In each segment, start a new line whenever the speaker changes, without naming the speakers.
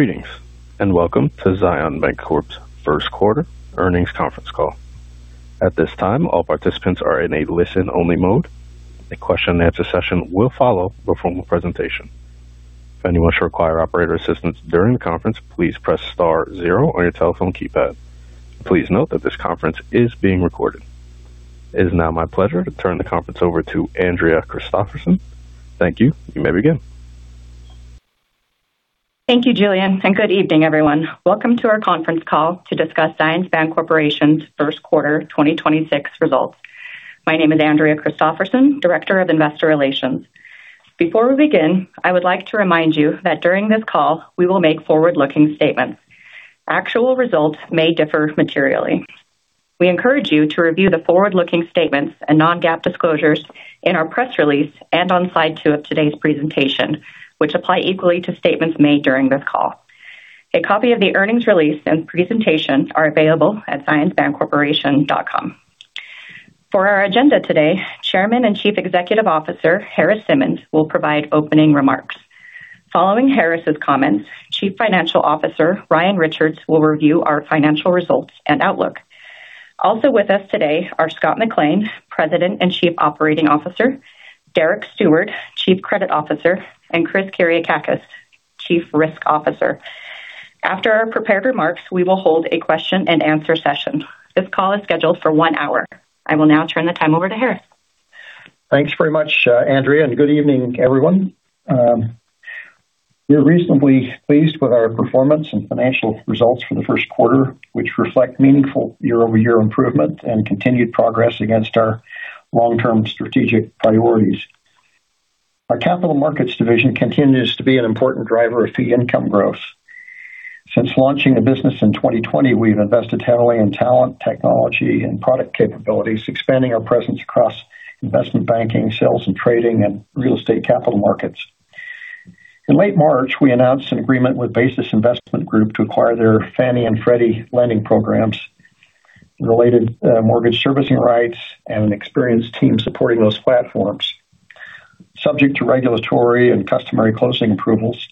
Greetings, and welcome to Zions Bancorporation's first quarter earnings conference call. At this time, all participants are in a listen-only mode. A question and answer session will follow the formal presentation. If anyone should require operator assistance during the conference, please press star zero on your telephone keypad. Please note that this conference is being recorded. It is now my pleasure to turn the conference over to Andrea Christoffersen. Thank you. You may begin.
Thank you, Julian, and good evening, everyone. Welcome to our conference call to discuss Zions Bancorporation's first quarter 2026 results. My name is Andrea Christoffersen, Director of Investor Relations. Before we begin, I would like to remind you that during this call, we will make forward-looking statements. Actual results may differ materially. We encourage you to review the forward-looking statements and non-GAAP disclosures in our press release and on slide two of today's presentation, which apply equally to statements made during this call. A copy of the earnings release and presentations are available at zionsbancorporation.com. For our agenda today, Chairman and Chief Executive Officer Harris Simmons will provide opening remarks. Following Harris's comments, Chief Financial Officer Ryan Richards will review our financial results and outlook. Also with us today are Scott McLean, President and Chief Operating Officer, Derek Steward, Chief Credit Officer, and Chris Kyriakakis, Chief Risk Officer. After our prepared remarks, we will hold a question and answer session. This call is scheduled for one hour. I will now turn the time over to Harris.
Thanks very much, Andrea, and good evening, everyone. We're reasonably pleased with our performance and financial results for the first quarter, which reflect meaningful year-over-year improvement and continued progress against our long-term strategic priorities. Our capital markets division continues to be an important driver of fee income growth. Since launching the business in 2020, we've invested heavily in talent, technology, and product capabilities, expanding our presence across investment banking, sales and trading, and real estate capital markets. In late March, we announced an agreement with Basis Investment Group to acquire their Fannie and Freddie lending programs, related mortgage servicing rights, and an experienced team supporting those platforms. Subject to regulatory and customary closing approvals,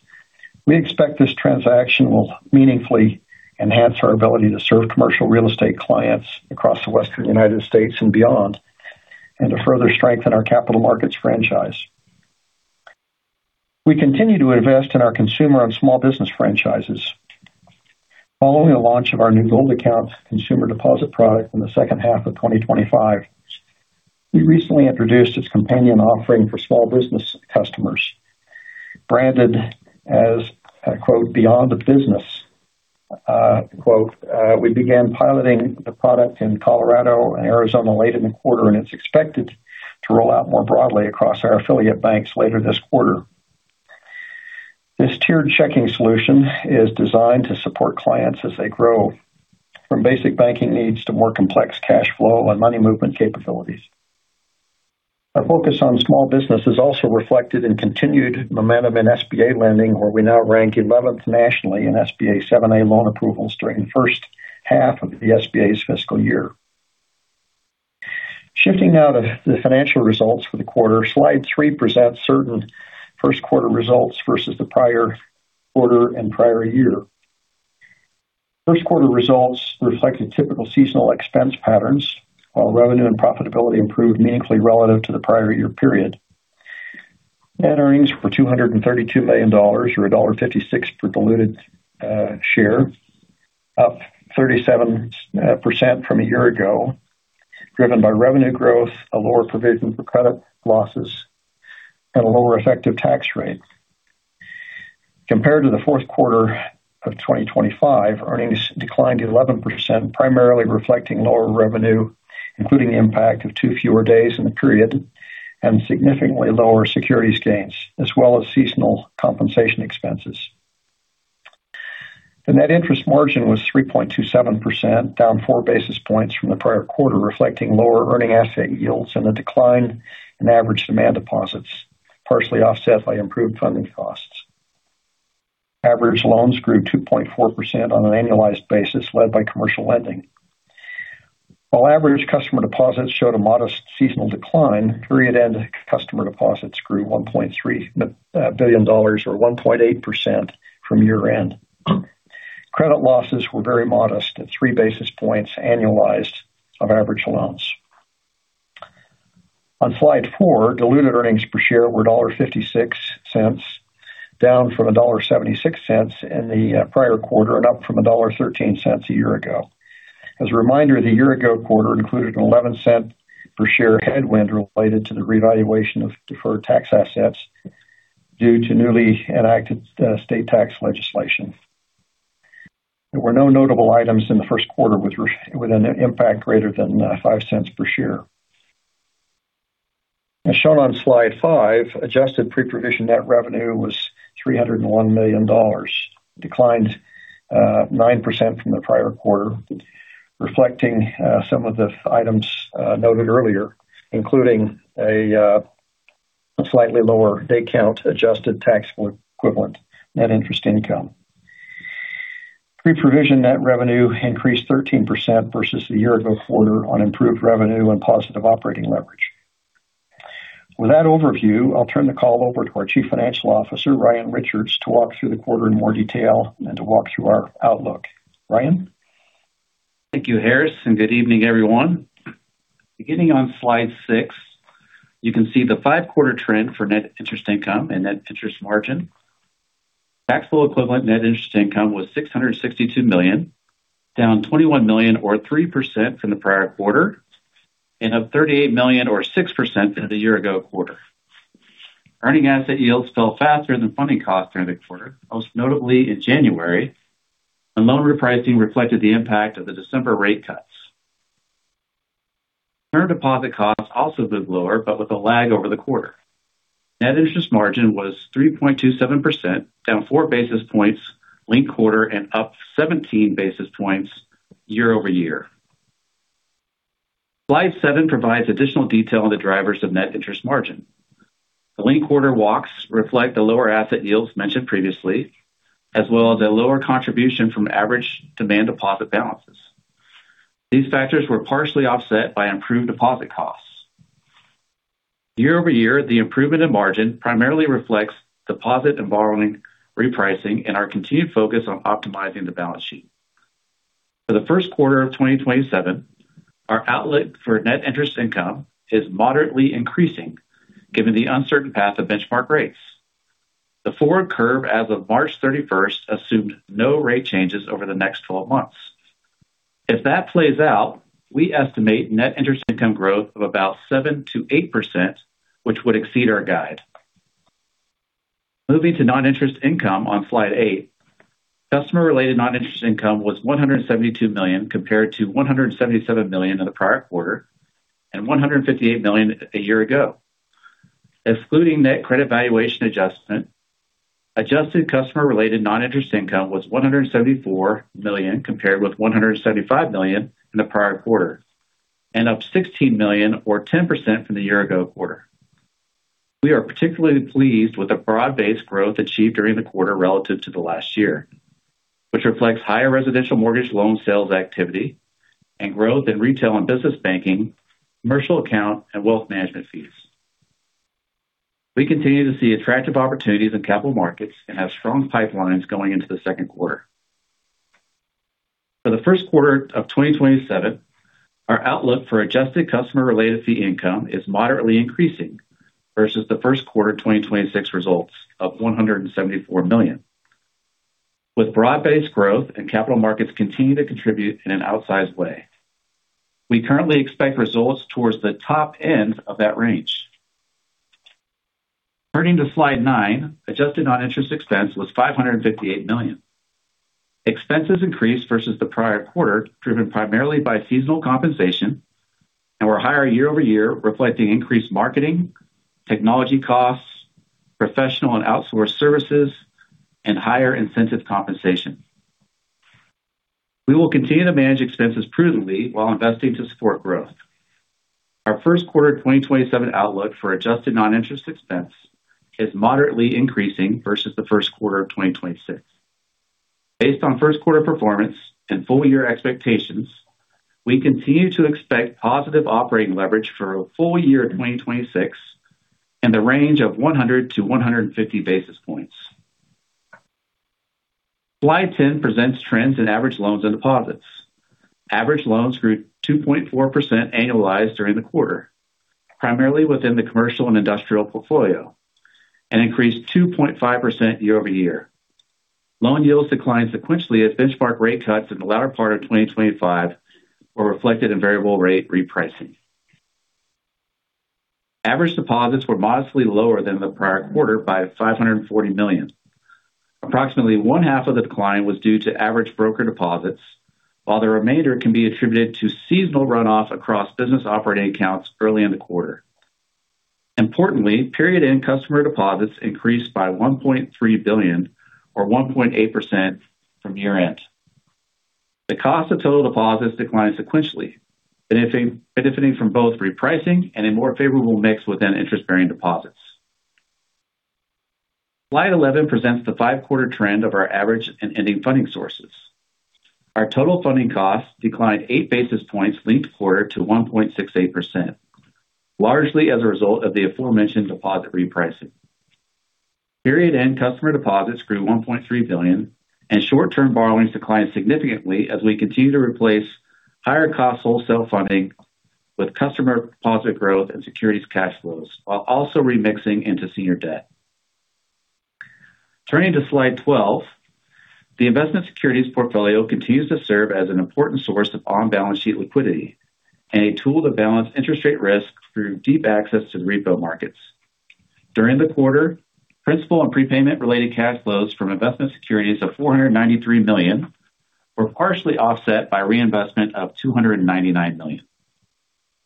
we expect this transaction will meaningfully enhance our ability to serve commercial real estate clients across the Western United States and beyond and to further strengthen our capital markets franchise. We continue to invest in our consumer and small business franchises. Following the launch of our new Gold Account consumer deposit product in the second half of 2025, we recently introduced its companion offering for small business customers. Branded as "Beyond of Business," we began piloting the product in Colorado and Arizona late in the quarter, and it's expected to roll out more broadly across our affiliate banks later this quarter. This tiered checking solution is designed to support clients as they grow from basic banking needs to more complex cash flow and money movement capabilities. Our focus on small business is also reflected in continued momentum in SBA lending, where we now rank 11th nationally in SBA 7(a) loan approvals during the first half of the SBA's fiscal year. Shifting now to the financial results for the quarter, slide three presents certain first quarter results versus the prior quarter and prior year. First quarter results reflect the typical seasonal expense patterns, while revenue and profitability improved meaningfully relative to the prior year period. Net earnings were $232 million, or $1.56 per diluted share, up 37% from a year ago, driven by revenue growth, a lower provision for credit losses, and a lower effective tax rate. Compared to the fourth quarter of 2025, earnings declined 11%, primarily reflecting lower revenue, including the impact of two fewer days in the period and significantly lower securities gains, as well as seasonal compensation expenses. The net interest margin was 3.27%, down 4 basis points from the prior quarter, reflecting lower earning asset yields and a decline in average demand deposits, partially offset by improved funding costs. Average loans grew 2.4% on an annualized basis, led by commercial lending. While average customer deposits showed a modest seasonal decline, period-end customer deposits grew $1.3 billion, or 1.8% from year-end. Credit losses were very modest at three basis points annualized of average loans. On slide four, diluted earnings per share were $1.56, down from $1.76 in the prior quarter and up from $1.13 a year ago. As a reminder, the year-ago quarter included an $.11 per share headwind related to the revaluation of deferred tax assets due to newly enacted state tax legislation. There were no notable items in the first quarter with an impact greater than five cents per share. As shown on slide five, adjusted pre-provision net revenue was $301 million, declined 9% from the prior quarter, reflecting some of the items noted earlier, including a slightly lower day count adjusted tax equivalent net interest income. Pre-provision net revenue increased 13% versus the year-ago quarter on improved revenue and positive operating leverage. With that overview, I'll turn the call over to our Chief Financial Officer, Ryan Richards, to walk through the quarter in more detail and to walk through our outlook. Ryan?
Thank you, Harris, and good evening, everyone. Beginning on slide six, you can see the five-quarter trend for net interest income and net interest margin. Tax-equivalent net interest income was $662 million, down $21 million or 3% from the prior quarter, and up $38 million or 6% from the year-ago quarter. Earning asset yields fell faster than funding costs during the quarter, most notably in January, and loan repricing reflected the impact of the December rate cuts. Current deposit costs also moved lower, but with a lag over the quarter. Net interest margin was 3.27%, down 4 basis points linked-quarter and up 17 basis points year-over-year. Slide seven provides additional detail on the drivers of net interest margin. The linked quarter walks reflect the lower asset yields mentioned previously, as well as a lower contribution from average demand deposit balances. These factors were partially offset by improved deposit costs. Year-over-year, the improvement in margin primarily reflects deposit and borrowing repricing and our continued focus on optimizing the balance sheet. For the first quarter of 2027, our outlook for net interest income is moderately increasing given the uncertain path of benchmark rates. The forward curve as of March 31st assumed no rate changes over the next 12 months. If that plays out, we estimate net interest income growth of about 7%-8%, which would exceed our guide. Moving to non-interest income on slide eight. Customer-related non-interest income was $172 million compared to $177 million in the prior quarter and $158 million a year ago. Excluding net credit valuation adjustment, adjusted customer-related non-interest income was $174 million compared with $175 million in the prior quarter, and up $16 million or 10% from the year-ago quarter. We are particularly pleased with the broad-based growth achieved during the quarter relative to the last year, which reflects higher residential mortgage loan sales activity and growth in retail and business banking, commercial account, and wealth management fees. We continue to see attractive opportunities in capital markets and have strong pipelines going into the second quarter. For the first quarter of 2027, our outlook for adjusted customer-related fee income is moderately increasing versus the first quarter 2026 results of $174 million, with broad-based growth and capital markets continuing to contribute in an outsized way. We currently expect results towards the top end of that range. Turning to slide nine. Adjusted non-interest expense was $558 million. Expenses increased versus the prior quarter, driven primarily by seasonal compensation, and were higher year-over-year, reflecting increased marketing, technology costs, professional and outsourced services, and higher incentive compensation. We will continue to manage expenses prudently while investing to support growth. Our first quarter 2027 outlook for adjusted non-interest expense is moderately increasing versus the first quarter of 2026. Based on first quarter performance and full year expectations, we continue to expect positive operating leverage for a full year 2026 in the range of 100-150 basis points. Slide 10 presents trends in average loans and deposits. Average loans grew 2.4% annualized during the quarter, primarily within the commercial and industrial portfolio, and increased 2.5% year-over-year. Loan yields declined sequentially as benchmark rate cuts in the latter part of 2025 were reflected in variable rate repricing. Average deposits were modestly lower than the prior quarter by $540 million. Approximately 1/2 of the decline was due to average broker deposits, while the remainder can be attributed to seasonal runoff across business operating accounts early in the quarter. Importantly, period-end customer deposits increased by $1.3 billion or 1.8% from year-end. The cost of total deposits declined sequentially, benefiting from both repricing and a more favorable mix within interest-bearing deposits. Slide 11 presents the five-quarter trend of our average and ending funding sources. Our total funding costs declined 8 basis points linked-quarter to 1.68%, largely as a result of the aforementioned deposit repricing. Period-end customer deposits grew $1.3 billion, and short-term borrowings declined significantly as we continue to replace higher cost wholesale funding with customer deposit growth and securities cash flows, while also remixing into senior debt. Turning to slide 12. The investment securities portfolio continues to serve as an important source of on-balance sheet liquidity and a tool to balance interest rate risk through deep access to the repo markets. During the quarter, principal and prepayment-related cash flows from investment securities of $493 million were partially offset by reinvestment of $299 million.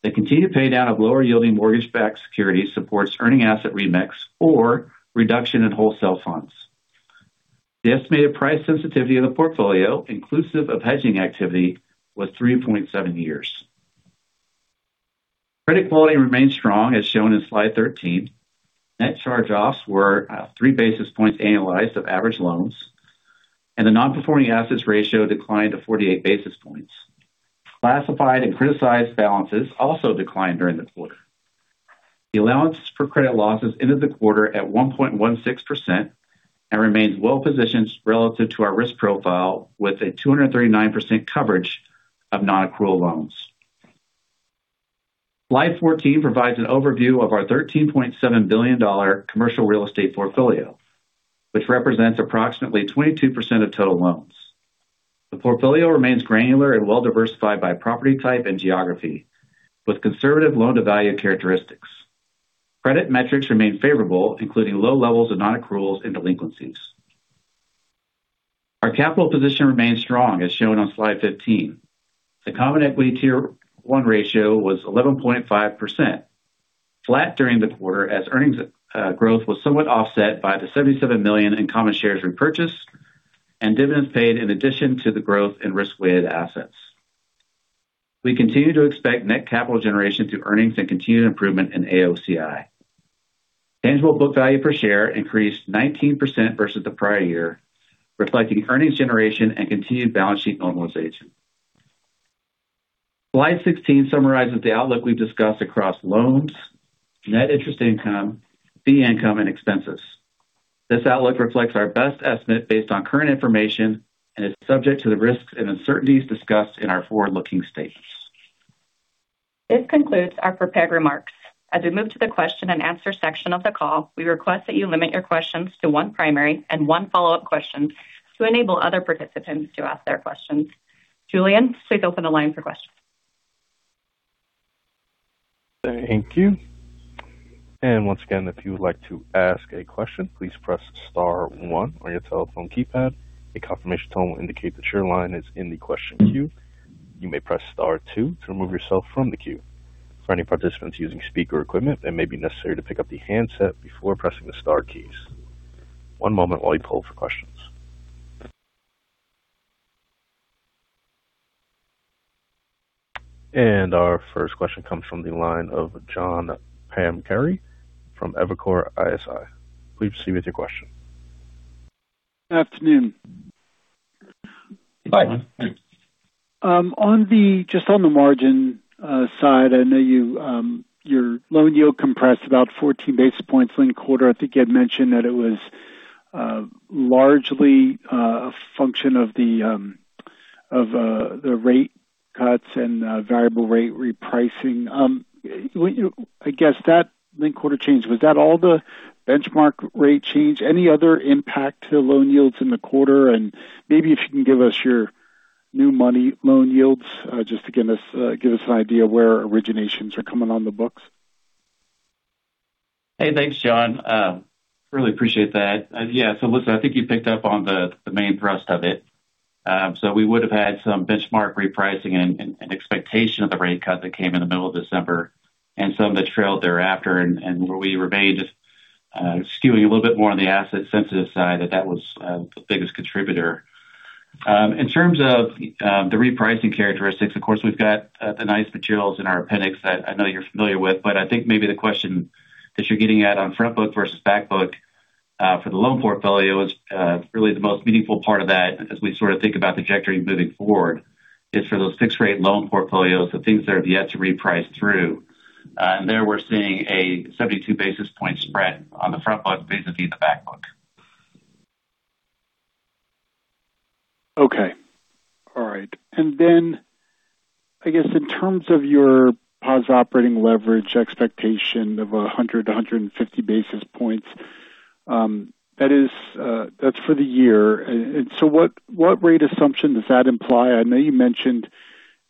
The continued pay down of lower yielding mortgage-backed securities supports earning asset remix or reduction in wholesale funds. The estimated price sensitivity of the portfolio, inclusive of hedging activity, was 3.7 years. Credit quality remains strong, as shown in slide 13. Net charge-offs were 3 basis points annualized of average loans. The non-performing assets ratio declined to 48 basis points. Classified and criticized balances also declined during the quarter. The allowance for credit losses ended the quarter at 1.16% and remains well-positioned relative to our risk profile, with a 239% coverage of non-accrual loans. Slide 14 provides an overview of our $13.7 billion commercial real estate portfolio, which represents approximately 22% of total loans. The portfolio remains granular and well-diversified by property type and geography, with conservative loan-to-value characteristics. Credit metrics remain favorable, including low levels of non-accruals and delinquencies. Our capital position remains strong as shown on Slide 15. The common equity tier one ratio was 11.5%, flat during the quarter as earnings growth was somewhat offset by the $77 million in common shares repurchased and dividends paid in addition to the growth in risk-weighted assets. We continue to expect net capital generation through earnings and continued improvement in AOCI. Tangible book value per share increased 19% versus the prior year, reflecting earnings generation and continued balance sheet normalization. Slide 16 summarizes the outlook we've discussed across loans, net interest income, fee income, and expenses. This outlook reflects our best estimate based on current information and is subject to the risks and uncertainties discussed in our forward-looking statements.
This concludes our prepared remarks. As we move to the question and answer section of the call, we request that you limit your questions to one primary and one follow-up question to enable other participants to ask their questions. Julian, please open the line for questions.
Thank you. Once again, if you would like to ask a question, please press star one on your telephone keypad. A confirmation tone will indicate that your line is in the question queue. You may press star two to remove yourself from the queue. For any participants using speaker equipment, it may be necessary to pick up the handset before pressing the star keys. One moment while we poll for questions. Our first question comes from the line of John Pancari from Evercore ISI. Please proceed with your question.
Afternoon.
Hi.
Just on the margin side, I know your loan yield compressed about 14 basis points linked quarter. I think you had mentioned that it was largely a function of the rate cuts and variable rate repricing. I guess that linked quarter change, was that all the benchmark rate change? Any other impact to loan yields in the quarter? Maybe if you can give us your new money loan yields, just to give us an idea of where originations are coming on the books.
Hey, thanks, John. Really appreciate that. Yeah. Listen, I think you picked up on the main thrust of it. We would have had some benchmark repricing and expectation of the rate cut that came in the middle of December and some that trailed thereafter. Where we remain just skewing a little bit more on the asset sensitive side, that was the biggest contributor. In terms of the repricing characteristics, of course, we've got the nice materials in our appendix that I know you're familiar with. I think maybe the question that you're getting at on front book versus back book for the loan portfolio is really the most meaningful part of that as we sort of think about the trajectory moving forward is for those fixed rate loan portfolios, the things that have yet to reprice through. There, we're seeing a 72 basis point spread on the front book vis-à-vis the back book.
Okay. All right. I guess in terms of your positive operating leverage expectation of 100-150 basis points, that's for the year. What rate assumption does that imply? I know you mentioned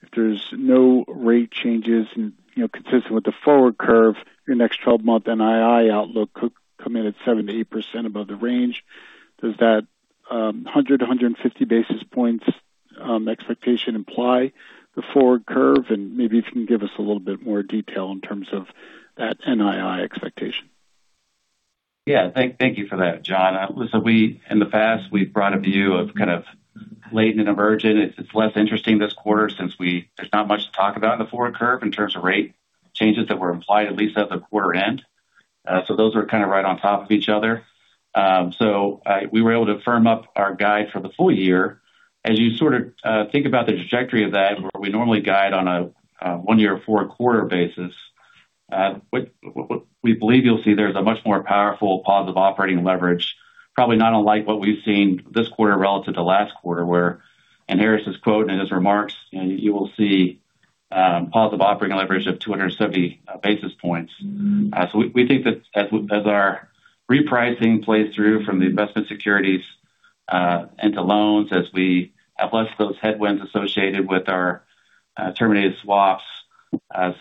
if there's no rate changes consistent with the forward curve, your next 12-month NII outlook could come in at 7%-8% above the range. Does that 100-150 basis points expectation imply the forward curve? Maybe if you can give us a little bit more detail in terms of that NII expectation.
Yeah. Thank you for that, John. Listen, in the past, we've brought a view of kind of latent and emergent. It's less interesting this quarter since there's not much to talk about in the forward curve in terms of rate changes that were implied, at least at the quarter end. Those are kind of right on top of each other. We were able to firm up our guide for the full year. As you think about the trajectory of that and where we normally guide on a one year forward quarter basis, we believe you'll see there's a much more powerful positive operating leverage, probably not unlike what we've seen this quarter relative to last quarter, where in Harris's quote, in his remarks, you will see positive operating leverage of 270 basis points. We think that as our repricing plays through from the investment securities into loans, as we have less of those headwinds associated with our terminated swaps,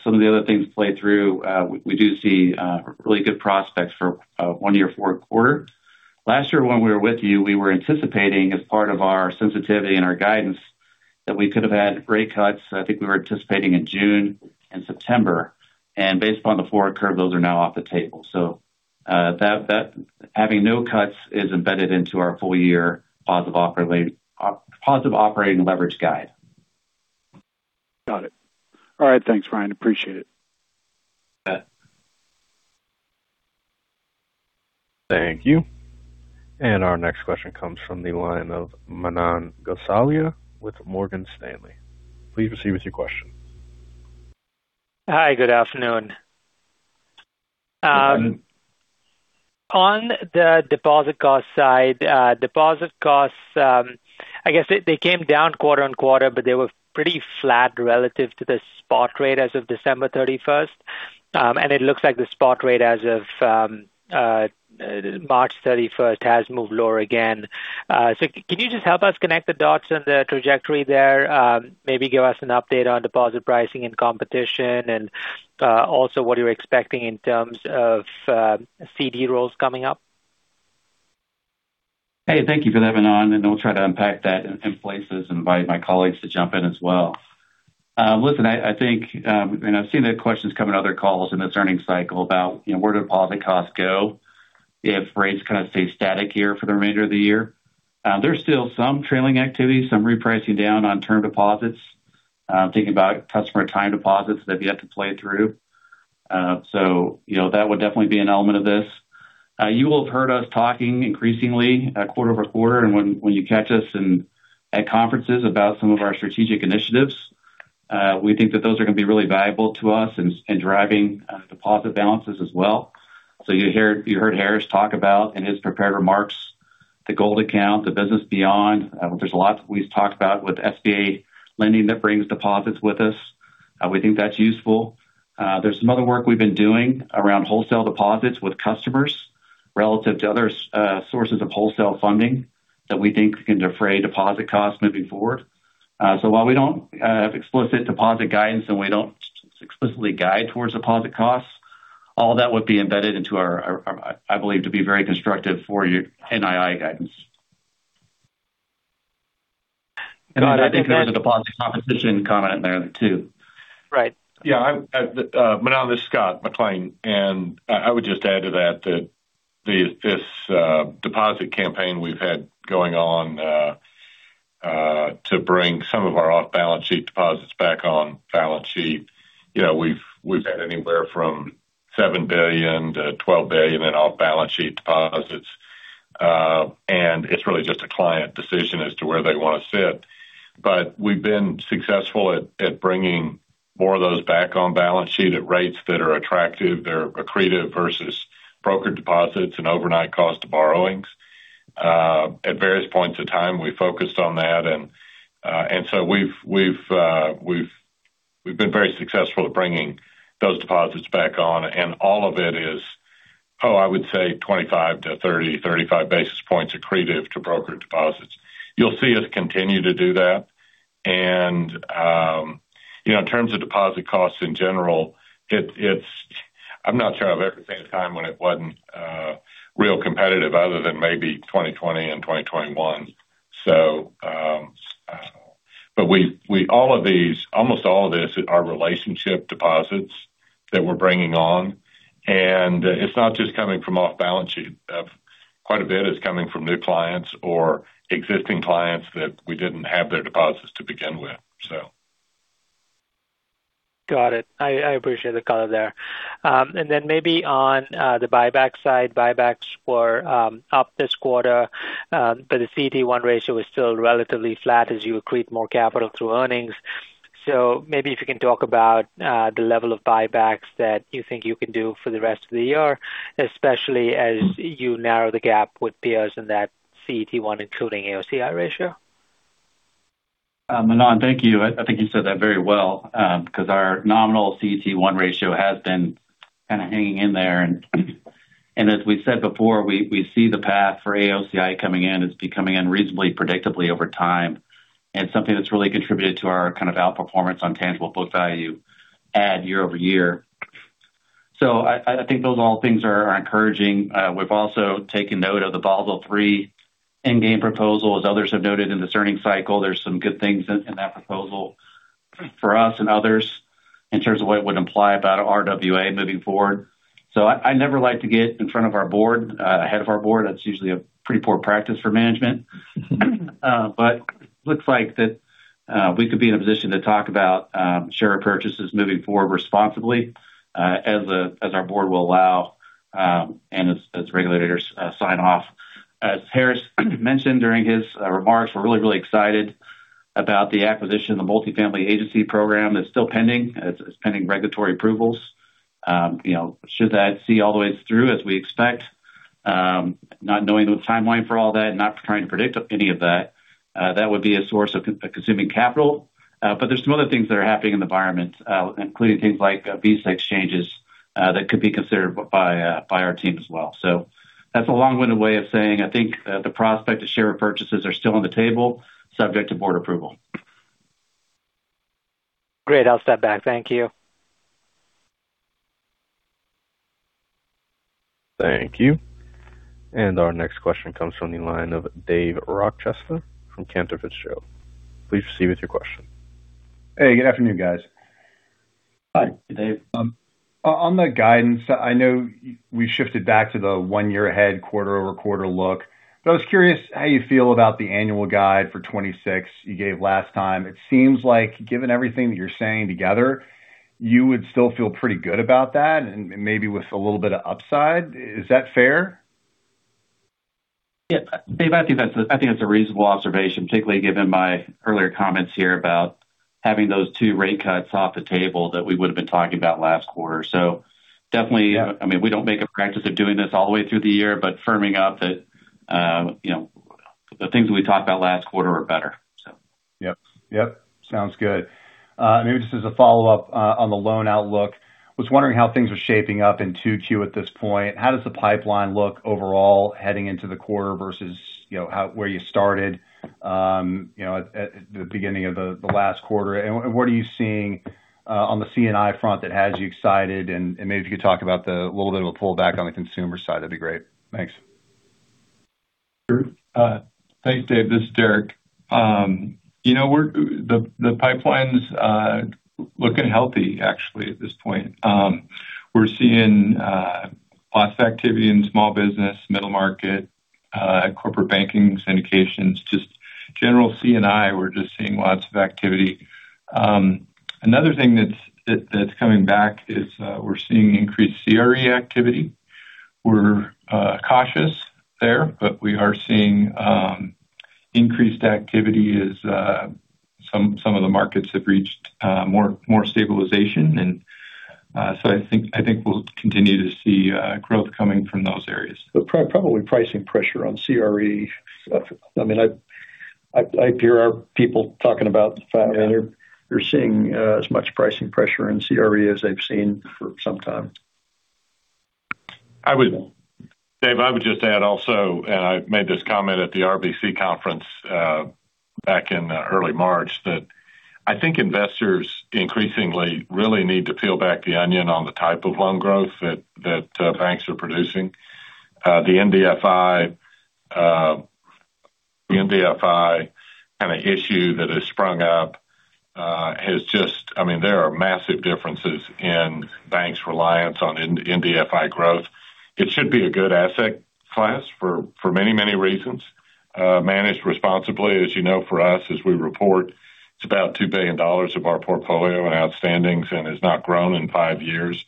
some of the other things play through. We do see really good prospects for one year forward quarter. Last year when we were with you, we were anticipating as part of our sensitivity and our guidance that we could have had rate cuts. I think we were anticipating in June and September. Based upon the forward curve, those are now off the table. Having no cuts is embedded into our full year positive operating leverage guide.
Got it. All right. Thanks, Ryan. Appreciate it.
Yeah.
Thank you. Our next question comes from the line of Manan Gosalia with Morgan Stanley. Please proceed with your question.
Hi, good afternoon.
Good afternoon.
On the deposit cost side. Deposit costs, I guess they came down quarter-over-quarter, but they were pretty flat relative to the spot rate as of December 31st. It looks like the spot rate as of March 31st has moved lower again. Can you just help us connect the dots on the trajectory there? Maybe give us an update on deposit pricing and competition and also what you're expecting in terms of CD rolls coming up.
Hey, thank you for that, Manan, and I'll try to unpack that in places and invite my colleagues to jump in as well. Listen, I've seen the questions come in other calls in this earnings cycle about where do deposit costs go if rates kind of stay static here for the remainder of the year. There's still some trailing activity, some repricing down on term deposits. I'm thinking about customer time deposits that have yet to play through. That would definitely be an element of this. You will have heard us talking increasingly quarter-over-quarter and when you catch us at conferences about some of our strategic initiatives. We think that those are going to be really valuable to us in driving deposit balances as well. You heard Harris talk about in his prepared remarks, the Gold Account, the Business Beyond. There's a lot we've talked about with SBA lending that brings deposits with us. We think that's useful. There's some other work we've been doing around wholesale deposits with customers relative to other sources of wholesale funding that we think can defray deposit costs moving forward. While we don't have explicit deposit guidance and we don't explicitly guide towards deposit costs, all that would be embedded into I believe to be very constructive for your NII guidance.
Got it.
I think there was a deposit competition comment in there, too.
Right.
Yeah. Manan, this is Scott McLean, and I would just add to that this deposit campaign we've had going on to bring some of our off-balance sheet deposits back on balance sheet. We've had anywhere from $7 billion-$12 billion in off-balance sheet deposits. It's really just a client decision as to where they want to sit. We've been successful at bringing more of those back on balance sheet at rates that are attractive. They're accretive versus broker deposits and overnight cost of borrowings. At various points of time, we focused on that, and so we've been very successful at bringing those deposits back on. All of it is, oh, I would say 25-30 basis points, 35 basis points accretive to broker deposits. You'll see us continue to do that. In terms of deposit costs in general, I'm not sure I've ever seen a time when it wasn't real competitive other than maybe 2020 and 2021. Almost all of this is our relationship deposits that we're bringing on, and it's not just coming from off balance sheet. Quite a bit is coming from new clients or existing clients that we didn't have their deposits to begin with.
Got it. I appreciate the color there. Then maybe on the buyback side. Buybacks were up this quarter, but the CET1 ratio is still relatively flat as you accrete more capital through earnings. Maybe if you can talk about the level of buybacks that you think you can do for the rest of the year, especially as you narrow the gap with peers in that CET1 including AOCI ratio?
Manan, thank you. I think you said that very well. Our nominal CET1 ratio has been kind of hanging in there. As we said before, we see the path for AOCI coming in. It's becoming unreasonably predictable over time. Something that's really contributed to our kind of outperformance on tangible book value add year-over-year. I think those all things are encouraging. We've also taken note of the Basel III endgame proposal, as others have noted in this earnings cycle. There's some good things in that proposal for us and others in terms of what it would imply about RWA moving forward. I never like to get in front of our board, ahead of our board. That's usually a pretty poor practice for management. It looks like that we could be in a position to talk about share purchases moving forward responsibly as our board will allow and as regulators sign off. As Harris mentioned during his remarks, we're really, really excited about the acquisition of the multifamily agency program that's still pending. It's pending regulatory approvals. Should that see all the way through as we expect, not knowing the timeline for all that, not trying to predict any of that. That would be a source of consuming capital. there's some other things that are happening in the environment, including things like Visa exchanges, that could be considered by our team as well. that's a long-winded way of saying I think the prospect of share purchases are still on the table subject to board approval.
Great. I'll step back. Thank you.
Thank you. Our next question comes from the line of Dave Rochester from Cantor Fitzgerald. Please proceed with your question.
Hey, good afternoon, guys.
Hi, Dave.
On the guidance, I know we shifted back to the one-year ahead quarter-over-quarter look. I was curious how you feel about the annual guide for 2026 you gave last time. It seems like given everything that you're saying together, you would still feel pretty good about that and maybe with a little bit of upside. Is that fair?
Yeah. Dave, I think that's a reasonable observation, particularly given my earlier comments here about having those two rate cuts off the table that we would've been talking about last quarter. Definitely.
Yeah.
I mean, we don't make a practice of doing this all the way through the year, but firming up that the things that we talked about last quarter are better.
Yep. Sounds good. Maybe just as a follow-up on the loan outlook. Was wondering how things were shaping up in 2Q at this point. How does the pipeline look overall heading into the quarter versus where you started at the beginning of the last quarter? What are you seeing on the C&I front that has you excited? Maybe if you could talk about the little bit of a pullback on the consumer side, that'd be great. Thanks.
Sure. Thanks, Dave. This is Derek. The pipeline's looking healthy actually at this point. We're seeing lots of activity in small business, middle market, corporate banking, syndications. Just general C&I, we're just seeing lots of activity. Another thing that's coming back is we're seeing increased CRE activity. We're cautious there, but we are seeing increased activity as some of the markets have reached more stabilization. I think we'll continue to see growth coming from those areas.
Probably pricing pressure on CRE. I mean, I hear our people talking about the fact that they're seeing as much pricing pressure in CRE as they've seen for some time.
Dave, I would just add also, and I made this comment at the RBC conference back in early March, that I think investors increasingly really need to peel back the onion on the type of loan growth that banks are producing. The NDFI kind of issue that has sprung up. There are massive differences in banks' reliance on NDFI growth. It should be a good asset class for many, many reasons. Managed responsibly, as you know for us, as we report, it's about $2 billion of our portfolio in outstandings and has not grown in five years.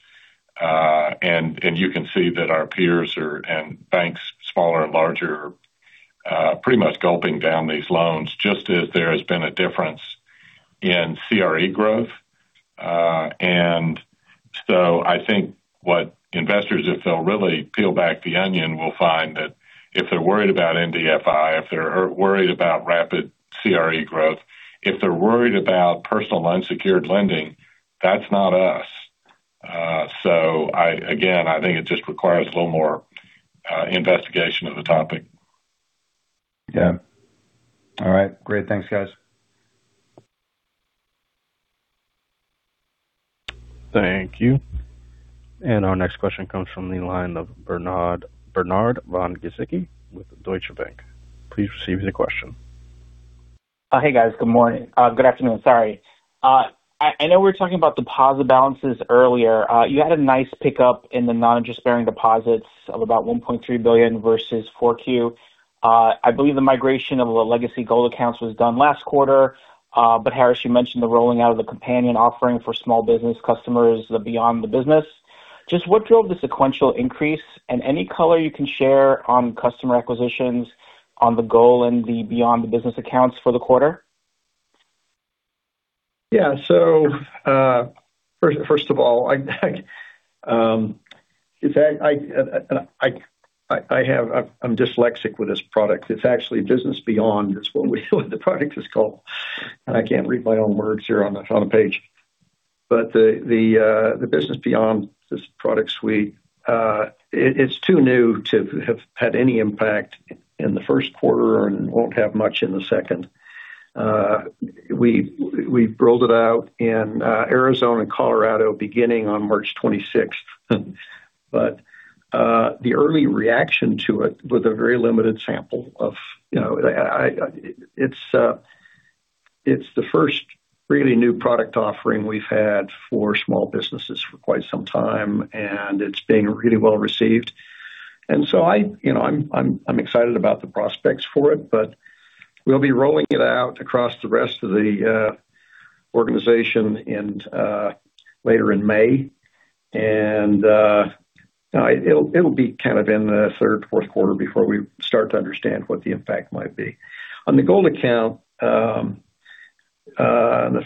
You can see that our peers and banks, smaller and larger, are pretty much gulping down these loans just as there has been a difference in CRE growth. I think what investors, if they'll really peel back the onion, will find that if they're worried about NDFI, if they're worried about rapid CRE growth, if they're worried about personal unsecured lending, that's not us. Again, I think it just requires a little more investigation of the topic.
Yeah. All right. Great. Thanks, guys.
Thank you. Our next question comes from the line of Bernard von-Gizycki with Deutsche Bank. Please proceed with your question.
Hey, guys. Good morning. Good afternoon. Sorry. I know we were talking about deposit balances earlier. You had a nice pickup in the non-interest bearing deposits of about $1.3 billion versus 4Q. I believe the migration of the legacy Gold Accounts was done last quarter. Harris, you mentioned the rolling out of the companion offering for small business customers, the Beyond the Business. Just what drove the sequential increase? And any color you can share on customer acquisitions on the Gold and the Beyond the Business accounts for the quarter?
Yeah. First of all, I'm dyslexic with this product. It's actually Business Beyond is what the product is called. I can't read my own words here on the page. The Business Beyond, this product suite, it's too new to have had any impact in the first quarter and won't have much in the second. We've rolled it out in Arizona and Colorado beginning on March 26th. The early reaction to it, with a very limited sample. It's the first really new product offering we've had for small businesses for quite some time, and it's being really well received. I'm excited about the prospects for it. We'll be rolling it out across the rest of the organization later in May. It'll be kind of in the third, fourth quarter before we start to understand what the impact might be. On the Gold Account, the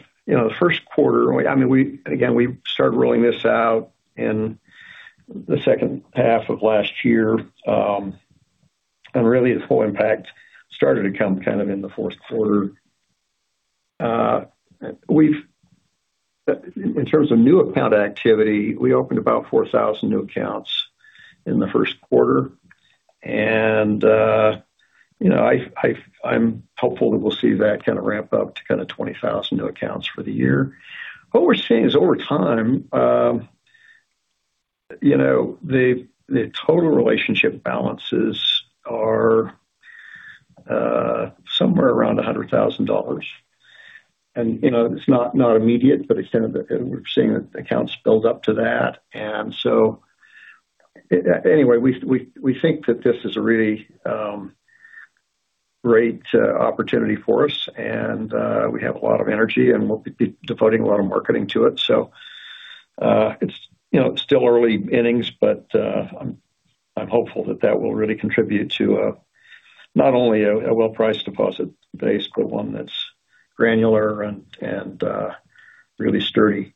first quarter. Again, we started rolling this out in the second half of last year. Really, its full impact started to come kind of in the fourth quarter. In terms of new account activity, we opened about 4,000 new accounts in the first quarter. I'm hopeful that we'll see that kind of ramp up to kind of 20,000 new accounts for the year. What we're seeing is over time, the total relationship balances are somewhere around $100,000. It's not immediate, but we're seeing accounts build up to that. Anyway, we think that this is a really Great opportunity for us. We have a lot of energy, and we'll be devoting a lot of marketing to it. It's still early innings, but I'm hopeful that that will really contribute to not only a well-priced deposit base, but one that's granular and really sturdy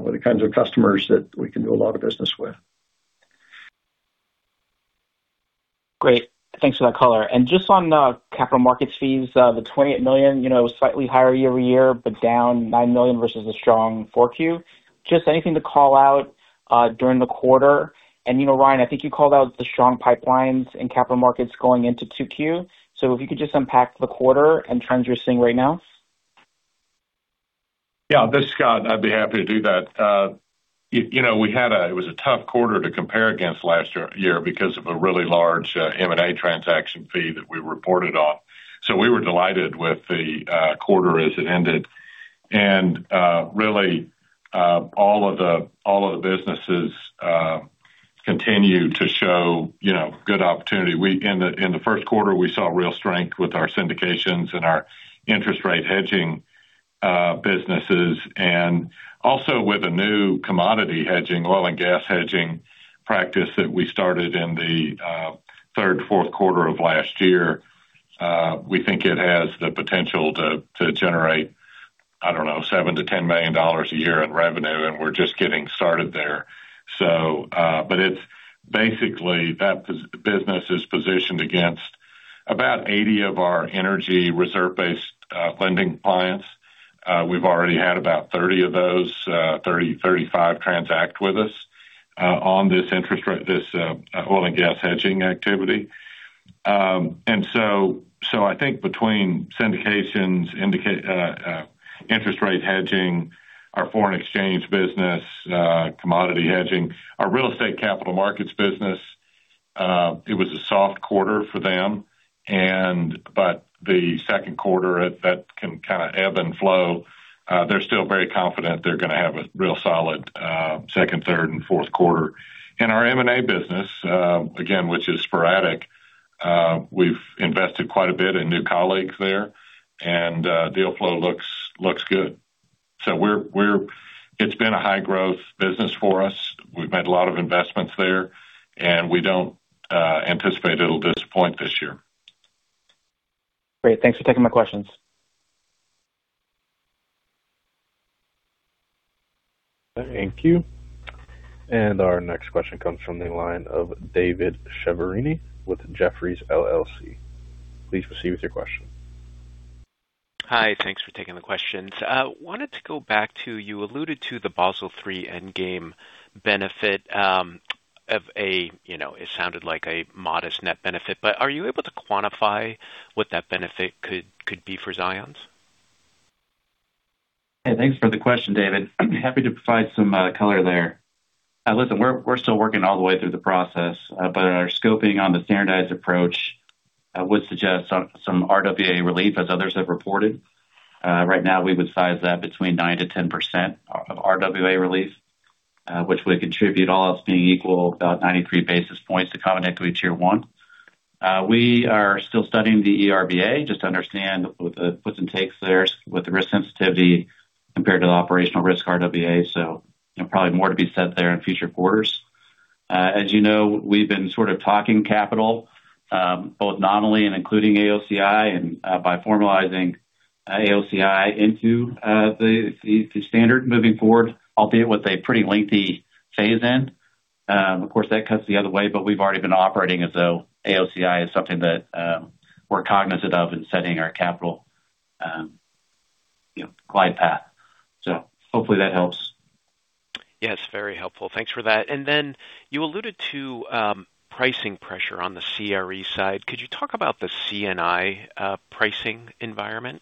with the kinds of customers that we can do a lot of business with.
Great. Thanks for that color. Just on the capital markets fees, the $28 million, slightly higher year-over-year, but down $9 million versus a strong 4Q. Just anything to call out during the quarter. Ryan, I think you called out the strong pipelines in capital markets going into 2Q. If you could just unpack the quarter and trends you're seeing right now.
Yeah. This is Scott. I'd be happy to do that. It was a tough quarter to compare against last year because of a really large M&A transaction fee that we reported on. We were delighted with the quarter as it ended. Really, all of the businesses continue to show good opportunity. In the first quarter, we saw real strength with our syndications and our interest rate hedging businesses, and also with a new commodity hedging, oil and gas hedging practice that we started in the third, fourth quarter of last year. We think it has the potential to generate, I don't know, $7 million-$10 million a year in revenue, and we're just getting started there. Basically, that business is positioned against about 80 of our energy reserve-based lending clients. We've already had about 30 of those, 35 transact with us on this oil and gas hedging activity. I think between syndications, interest rate hedging, our foreign exchange business, commodity hedging, our real estate capital markets business, it was a soft quarter for them. The second quarter, that can kind of ebb and flow. They're still very confident they're going to have a real solid second, third, and fourth quarter. In our M&A business, again, which is sporadic, we've invested quite a bit in new colleagues there, and deal flow looks good. It's been a high growth business for us. We've made a lot of investments there, and we don't anticipate it'll disappoint this year.
Great. Thanks for taking my questions.
Thank you. Our next question comes from the line of David Chiaverini with Jefferies LLC. Please proceed with your question.
Hi. Thanks for taking the questions. I wanted to go back to, you alluded to the Basel III endgame benefit. It sounded like a modest net benefit, but are you able to quantify what that benefit could be for Zions?
Hey, thanks for the question, David. Happy to provide some color there. Listen, we're still working all the way through the process. Our scoping on the standardized approach would suggest some RWA relief, as others have reported. Right now, we would size that between 9%-10% of RWA relief which would contribute, all else being equal, about 93 basis points to Common Equity Tier 1. We are still studying the ERBA just to understand the puts and takes there with the risk sensitivity compared to the operational risk RWA. Probably more to be said there in future quarters. As you know, we've been sort of talking capital both nominally and including AOCI and by formalizing AOCI into the standard moving forward, albeit with a pretty lengthy phase-in. Of course, that cuts the other way, but we've already been operating as though AOCI is something that we're cognizant of in setting our capital glide path. Hopefully that helps.
Yes, very helpful. Thanks for that. You alluded to pricing pressure on the CRE side. Could you talk about the C&I pricing environment?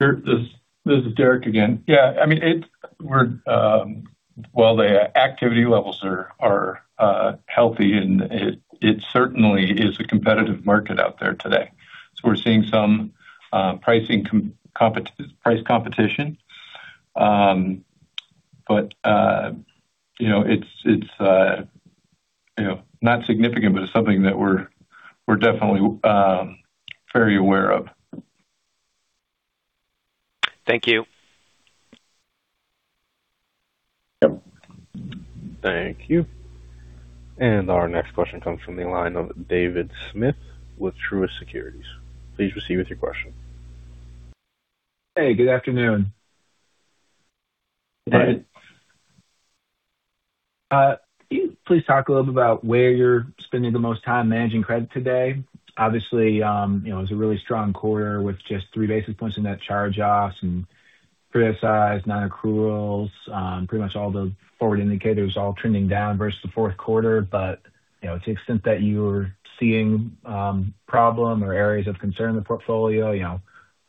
Sure. This is Derek again. Yeah. While the activity levels are healthy, and it certainly is a competitive market out there today, so we're seeing some price competition. But it's not significant, but it's something that we're definitely very aware of.
Thank you.
Yep. Thank you. Our next question comes from the line of David Smith with Truist Securities. Please proceed with your question.
Hey, good afternoon.
Good afternoon.
Can you please talk a little bit about where you're spending the most time managing credit today? Obviously, it was a really strong quarter with just 3 basis points in that charge-offs and criticized non-accruals. Pretty much all the forward indicators all trending down versus the fourth quarter. To the extent that you're seeing problem or areas of concern in the portfolio,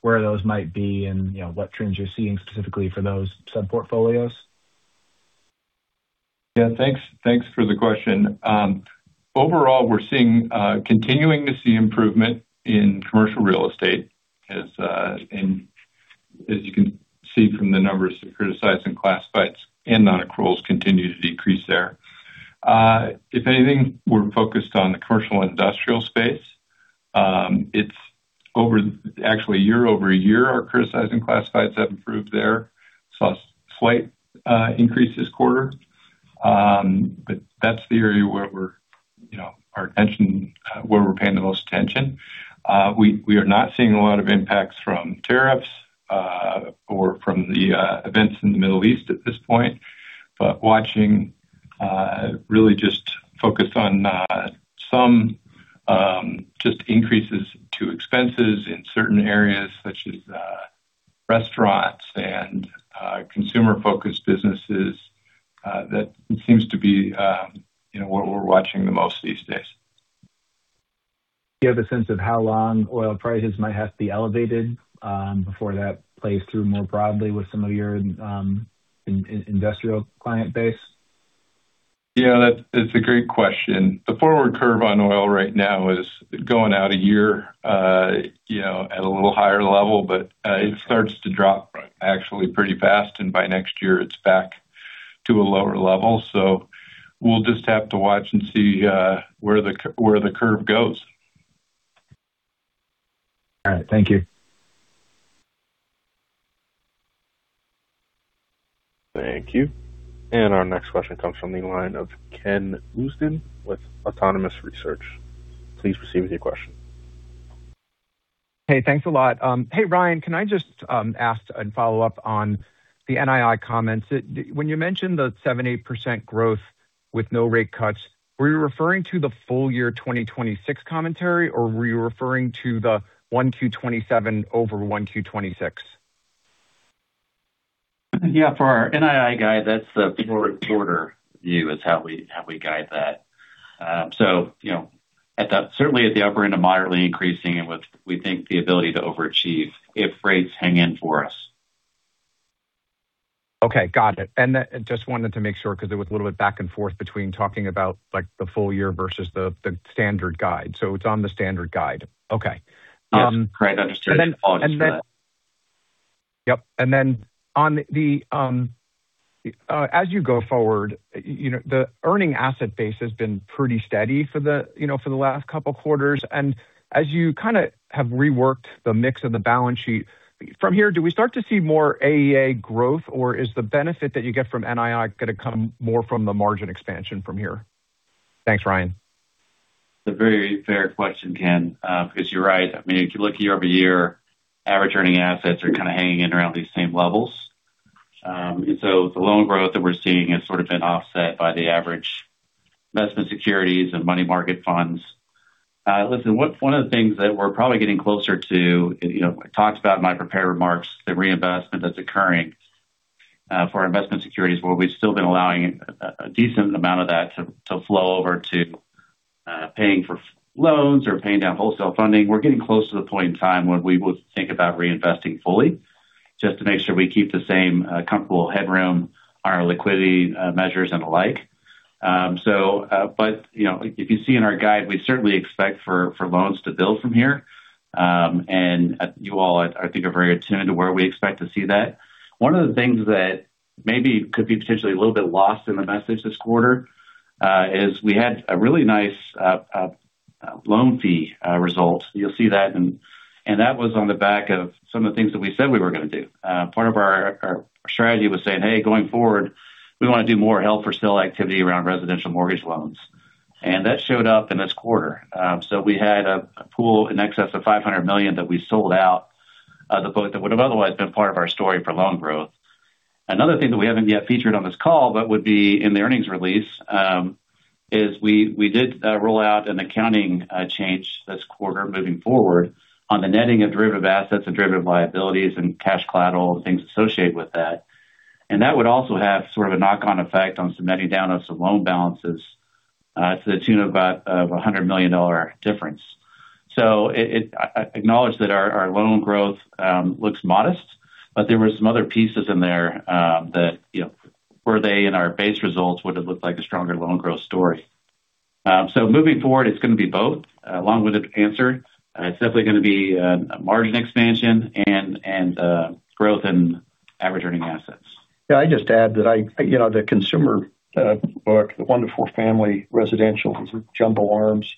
where those might be and what trends you're seeing specifically for those sub-portfolios?
Yeah. Thanks for the question. Overall, we're continuing to see improvement in commercial real estate as in. As you can see from the numbers, the criticized, classified, and nonaccruals continue to decrease there. If anything, we're focused on the commercial and industrial space. Actually, year-over-year, our criticized classifieds have improved there. We saw a slight increase this quarter. That's the area where we're paying the most attention. We are not seeing a lot of impacts from tariffs, or from the events in the Middle East at this point. We're really just focused on some increases to expenses in certain areas such as restaurants and consumer-focused businesses. That seems to be what we're watching the most these days.
Do you have a sense of how long oil prices might have to be elevated before that plays through more broadly with some of your industrial client base?
Yeah, that's a great question. The forward curve on oil right now is going out a year at a little higher level. It starts to drop actually pretty fast, and by next year, it's back to a lower level. We'll just have to watch and see where the curve goes.
All right. Thank you.
Thank you. Our next question comes from the line of Ken Usdin with Autonomous Research. Please proceed with your question.
Hey, thanks a lot. Hey, Ryan, can I just ask and follow up on the NII comments? When you mentioned the 78% growth with no rate cuts, were you referring to the full year 2026 commentary, or were you referring to the 1Q 2027 over 1Q 2026?
Yeah. For our NII guide, that's the forward quarter view is how we guide that. Certainly at the upper end of moderately increasing and with, we think, the ability to overachieve if rates hang in for us.
Okay. Got it. Just wanted to make sure because there was a little bit back and forth between talking about the full year versus the standard guide. It's on the standard guide. Okay.
Yes. Correct. Understood. Apologize for that.
Yep. As you go forward, the earning asset base has been pretty steady for the last couple of quarters. You kind of have reworked the mix of the balance sheet, from here, do we start to see more AEA growth, or is the benefit that you get from NII going to come more from the margin expansion from here? Thanks, Ryan.
It's a very fair question, Ken, because you're right. If you look year-over-year, average earning assets are kind of hanging in around these same levels. The loan growth that we're seeing has sort of been offset by the average investment securities and money market funds. Listen, one of the things that we're probably getting closer to, I talked about in my prepared remarks, the reinvestment that's occurring for our investment securities, where we've still been allowing a decent amount of that to flow over to paying for loans or paying down wholesale funding. We're getting close to the point in time when we will think about reinvesting fully just to make sure we keep the same comfortable headroom on our liquidity measures and the like. If you see in our guide, we certainly expect for loans to build from here. You all, I think, are very attuned to where we expect to see that. One of the things that maybe could be potentially a little bit lost in the message this quarter, is we had a really nice loan fee result. You'll see that, and that was on the back of some of the things that we said we were going to do. Part of our strategy was saying, "Hey, going forward, we want to do more held-for-sale activity around residential mortgage loans." That showed up in this quarter. We had a pool in excess of $500 million that we sold out that would have otherwise been part of our story for loan growth. Another thing that we haven't yet featured on this call but would be in the earnings release is we did roll out an accounting change this quarter moving forward on the netting of derivative assets and derivative liabilities and cash collateral and things associated with that. That would also have sort of a knock-on effect on some netting down of some loan balances to the tune of about $100 million difference. I acknowledge that our loan growth looks modest, but there were some other pieces in there that, were they in our base results, would have looked like a stronger loan growth story. Moving forward, it's going to be both. Long-winded answer. It's definitely going to be a margin expansion and growth in average earning assets.
Yeah. I'd just add that the consumer book, the wonderful family residential jumbo ARMs,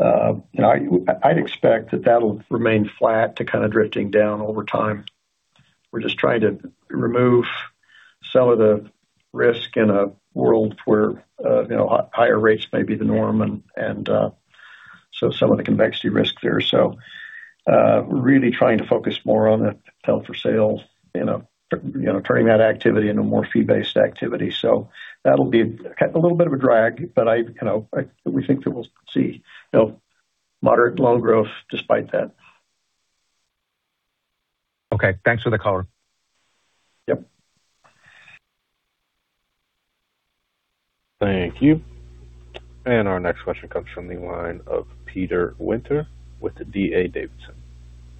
I'd expect that that'll remain flat to kind of drifting down over time. We're just trying to remove some of the risk in a world where higher rates may be the norm, and so some of the convexity risk there. We're really trying to focus more on the held for sale, turning that activity into more fee-based activity. That'll be a little bit of a drag, but we think that we'll see moderate loan growth despite that.
Okay. Thanks for the color.
Yep.
Thank you. Our next question comes from the line of Peter Winter with the D.A. Davidson.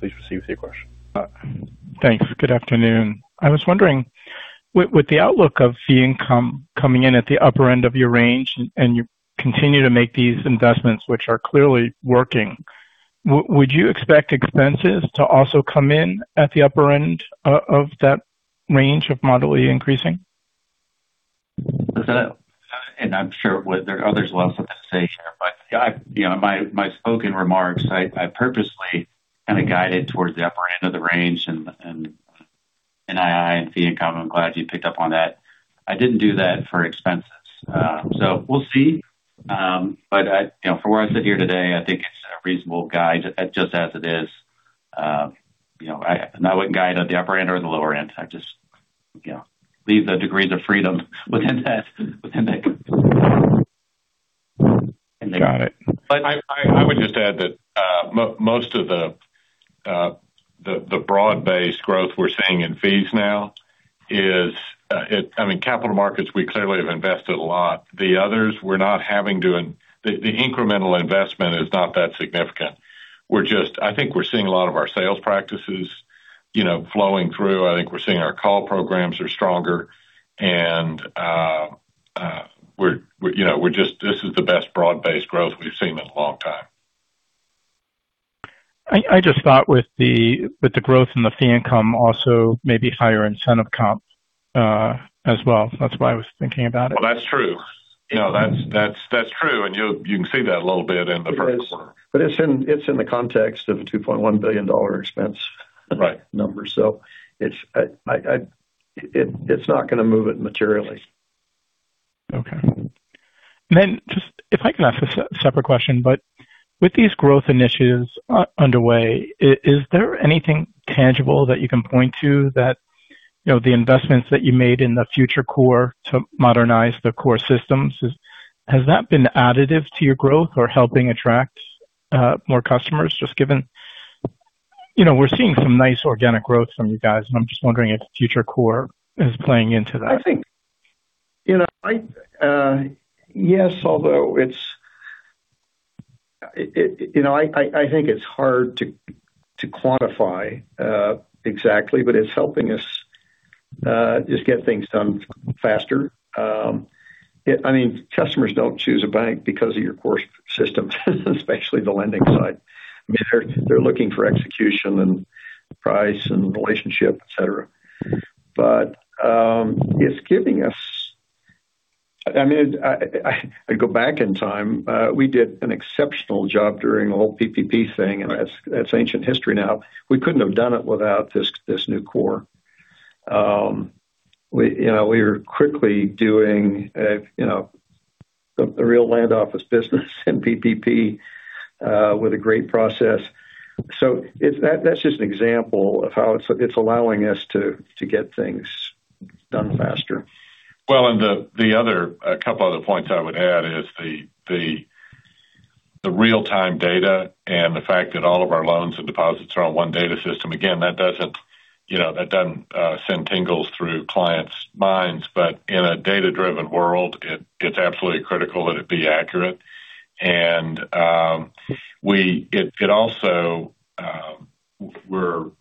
Please proceed with your question.
Thanks. Good afternoon. I was wondering, with the outlook of fee income coming in at the upper end of your range, and you continue to make these investments, which are clearly working, would you expect expenses to also come in at the upper end of that range of moderately increasing?
Listen, I'm sure there are others who else have something to say here, but my spoken remarks, I purposely kind of guided towards the upper end of the range in NII and fee income. I'm glad you picked up on that. I didn't do that for expenses. We'll see. From where I sit here today, I think it's a reasonable guide just as it is. I wouldn't guide on the upper end or the lower end. I just leave the degrees of freedom within that.
Got it.
I would just add that most of the broad-based growth we're seeing in fees now is, I mean, capital markets, we clearly have invested a lot. The others, the incremental investment is not that significant. I think we're seeing a lot of our sales practices flowing through. I think we're seeing our call programs are stronger. This is the best broad-based growth we've seen in a long time.
I just thought with the growth in the fee income, also maybe higher incentive comp as well. That's why I was thinking about it.
Well, that's true. That's true, and you can see that a little bit in the first quarter.
It is. It's in the context of a $2.1 billion expense.
Right.
Number. It's not going to move it materially.
Okay. Just if I can ask a separate question, but with these growth initiatives underway, is there anything tangible that you can point to that the investments that you made in the Future Core to modernize the core systems, has that been additive to your growth or helping attract more customers just given we're seeing some nice organic growth from you guys, and I'm just wondering if Future Core is playing into that.
Yes, although I think it's hard to quantify exactly, but it's helping us just get things done faster. Customers don't choose a bank because of your core systems, especially the lending side. They're looking for execution and price and relationship, et cetera. I go back in time, we did an exceptional job during the whole PPP thing, and that's ancient history now. We couldn't have done it without this new core. We are quickly doing the real land office business in PPP with a great process. That's just an example of how it's allowing us to get things done faster.
Well, a couple other points I would add is the real-time data and the fact that all of our loans and deposits are on one data system. Again, that doesn't send tingles through clients' minds. In a data-driven world, it's absolutely critical that it be accurate. It also,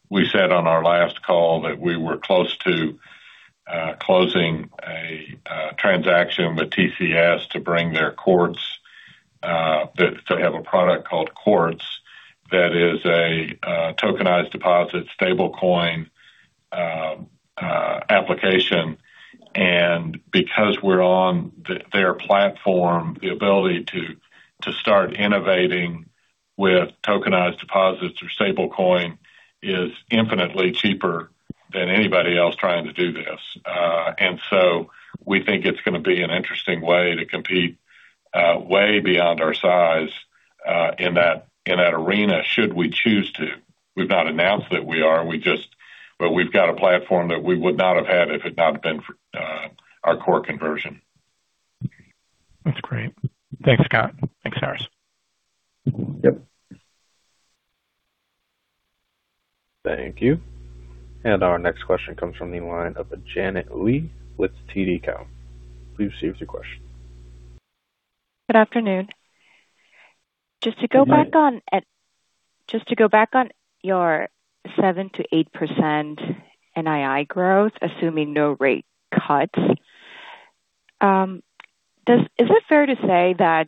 we said on our last call that we were close to closing a transaction with TCS to bring their Quartz. They have a product called Quartz that is a tokenized deposit stable coin application. Because we're on their platform, the ability to start innovating with tokenized deposits or stable coin is infinitely cheaper than anybody else trying to do this. We think it's going to be an interesting way to compete way beyond our size in that arena, should we choose to. We've not announced that we are. We've got a platform that we would not have had if it not been for our core conversion.
That's great. Thanks, Scott. Thanks, Harris.
Yep.
Thank you. Our next question comes from the line of Janet Lee with TD Cowen. Please proceed with your question.
Good afternoon.
Good afternoon.
Just to go back on your 7%-8% NII growth, assuming no rate cuts, is it fair to say that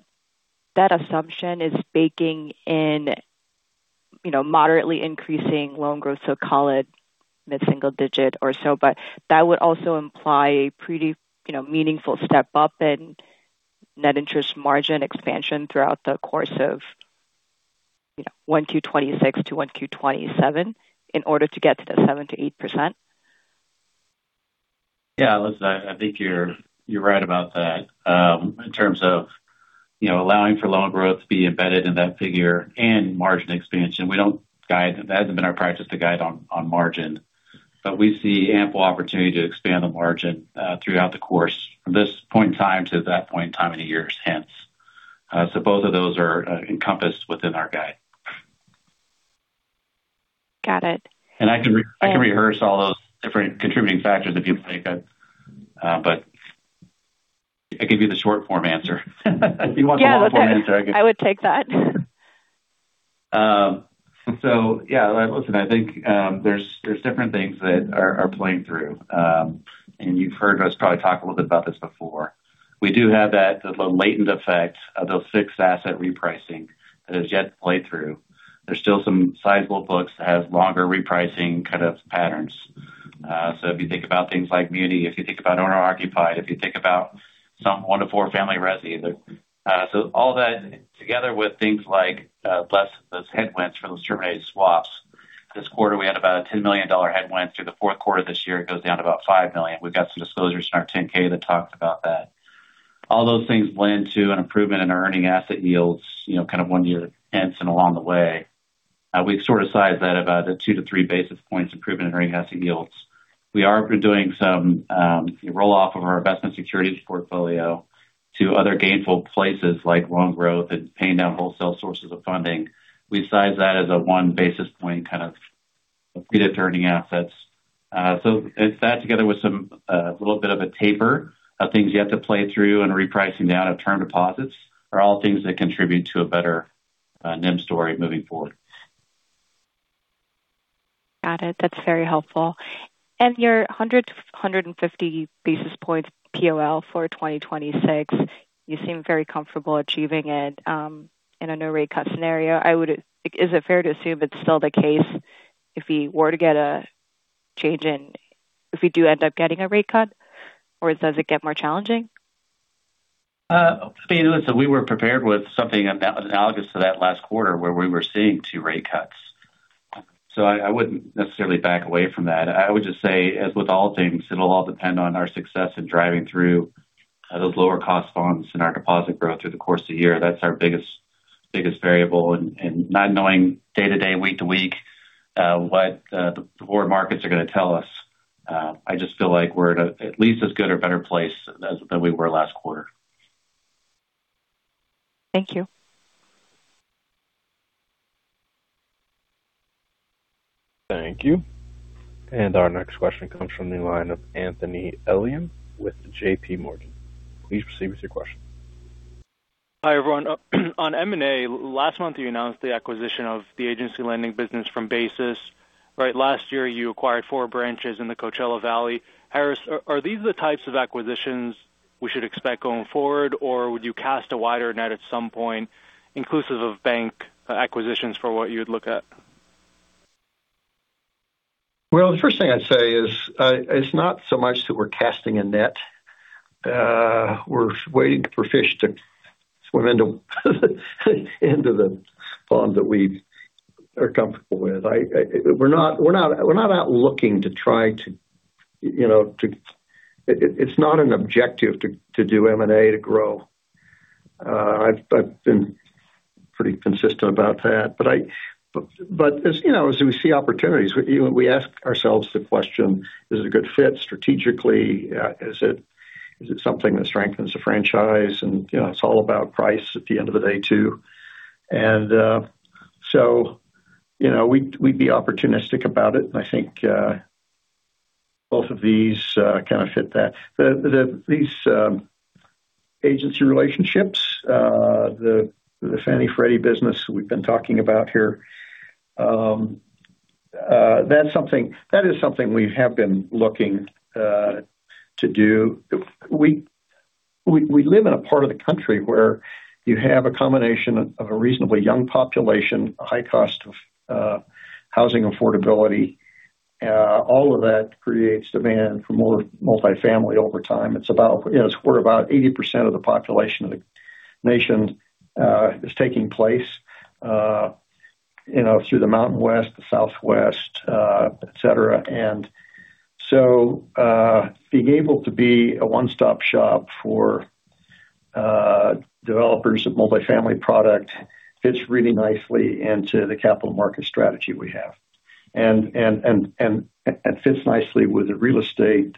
that assumption is baking in moderately increasing loan growth, so call it mid-single digit or so, but that would also imply a pretty meaningful step up in net interest margin expansion throughout the course of 1Q 2026 to 1Q 2027 in order to get to the 7%-8%?
Yeah, listen, I think you're right about that. In terms of allowing for loan growth to be embedded in that figure and margin expansion, that hasn't been our practice to guide on margin. We see ample opportunity to expand the margin throughout the course from this point in time to that point in time in the years hence. Both of those are encompassed within our guide.
Got it.
I can rehearse all those different contributing factors if you'd like. I'll give you the short form answer. If you want the long form answer, I can-
Yeah. I would take that.
Yeah, listen, I think there's different things that are playing through. You've heard us probably talk a little bit about this before. We do have that, the latent effect of those fixed asset repricing that has yet to play through. There's still some sizable books that have longer repricing kind of patterns. If you think about things like muni, if you think about owner occupied, if you think about some 1-4 family resi. All that together with things like less those headwinds from those terminated swaps. This quarter we had about a $10 million headwind through the fourth quarter. This year it goes down to about $5 million. We've got some disclosures in our 10-K that talks about that. All those things blend to an improvement in our earning asset yields kind of when the events and along the way. We've sort of sized that about a 2-3 basis points improvement in earning asset yields. We are doing some roll-off of our investment securities portfolio to other gainful places like loan growth and paying down wholesale sources of funding. We size that as a 1 basis point kind of lift of earning assets. It's that together with a little bit of a taper of things yet to play through and repricing down of term deposits are all things that contribute to a better NIM story moving forward.
Got it. That's very helpful. Your 100-150 basis points POL for 2026, you seem very comfortable achieving it, in a no rate cut scenario. Is it fair to assume it's still the case if we do end up getting a rate cut or does it get more challenging?
I mean, listen, we were prepared with something analogous to that last quarter where we were seeing 2 rate cuts. I wouldn't necessarily back away from that. I would just say, as with all things, it'll all depend on our success in driving through those lower cost bonds and our deposit growth through the course of the year. That's our biggest variable and not knowing day to day, week to week, what the forward markets are going to tell us. I just feel like we're at least as good or better place than we were last quarter.
Thank you.
Thank you. Our next question comes from the line of Anthony Elian with JPMorgan. Please proceed with your question.
Hi, everyone. On M&A, last month you announced the acquisition of the agency lending business from Basis. Last year you acquired four branches in the Coachella Valley. Harris, are these the types of acquisitions we should expect going forward, or would you cast a wider net at some point inclusive of bank acquisitions for what you'd look at?
Well, the first thing I'd say is it's not so much that we're casting a net. We're waiting for fish to swim into the pond that we are comfortable with. We're not out looking. It's not an objective to do M&A to grow. I've been pretty consistent about that. As we see opportunities, we ask ourselves the question, is it a good fit strategically? Is it something that strengthens the franchise? It's all about price at the end of the day, too. We'd be opportunistic about it. I think both of these kind of fit that. These agency relationships, the Fannie/Freddie business we've been talking about here, that is something we have been looking to do. We live in a part of the country where you have a combination of a reasonably young population, a high cost of housing affordability. All of that creates demand for more multifamily over time. It's where about 80% of the population of the nation is taking place through the Mountain West, the Southwest, et cetera. Being able to be a one-stop shop for developers of multifamily product fits really nicely into the capital market strategy we have. Fits nicely with the real estate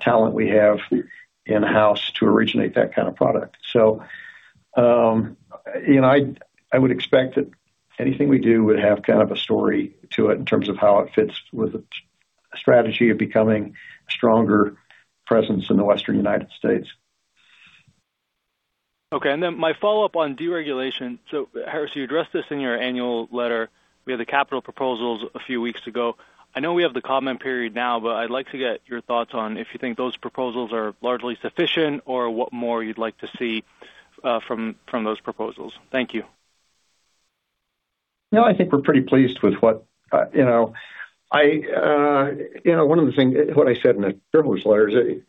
talent we have in-house to originate that kind of product. I would expect that anything we do would have kind of a story to it in terms of how it fits with a strategy of becoming a stronger presence in the Western United States.
Okay. My follow-up on deregulation. Harris, you addressed this in your annual letter. We had the capital proposals a few weeks ago. I know we have the comment period now, but I'd like to get your thoughts on if you think those proposals are largely sufficient or what more you'd like to see from those proposals. Thank you.
No, I think we're pretty pleased. One of the things I said in the shareholder's letter is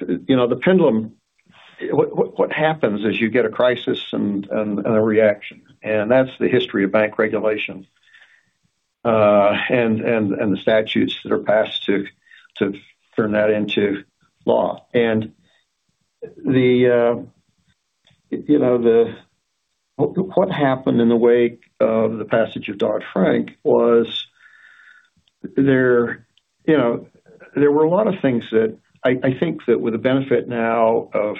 the pendulum. What happens is you get a crisis and a reaction. That's the history of bank regulation. The statutes that are passed to turn that into law. What happened in the wake of the passage of Dodd-Frank was there were a lot of things that I think that with the benefit now of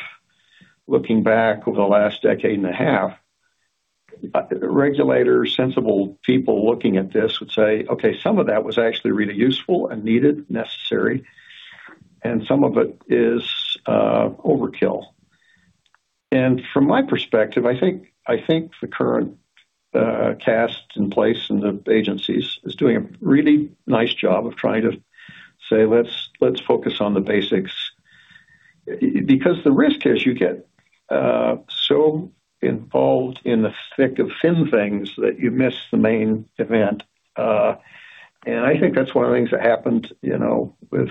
looking back over the last decade and a half. Regulators, sensible people looking at this would say, "Okay, some of that was actually really useful and needed, necessary, and some of it is overkill." From my perspective, I think the current cast in place in the agencies is doing a really nice job of trying to say, "Let's focus on the basics." Because the risk is you get so involved in the thick of thin things that you miss the main event. I think that's one of the things that happened with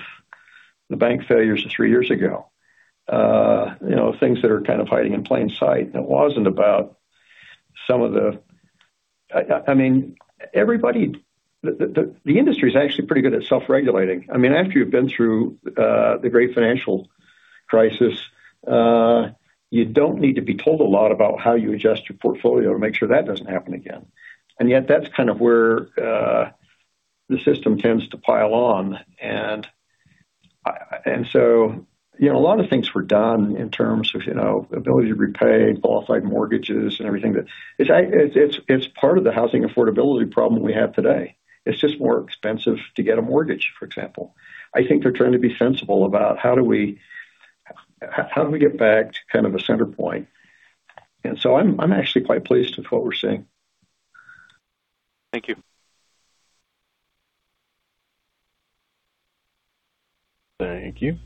the bank failures of three years ago. Things that are kind of hiding in plain sight. I mean, the industry's actually pretty good at self-regulating. After you've been through the Great Financial Crisis, you don't need to be told a lot about how you adjust your portfolio to make sure that doesn't happen again. Yet that's kind of where the system tends to pile on. So, a lot of things were done in terms of ability to repay qualified mortgages and everything that. It's part of the housing affordability problem we have today. It's just more expensive to get a mortgage, for example. I think they're trying to be sensible about how do we get back to kind of a center point. So I'm actually quite pleased with what we're seeing.
Thank you.
Thank you.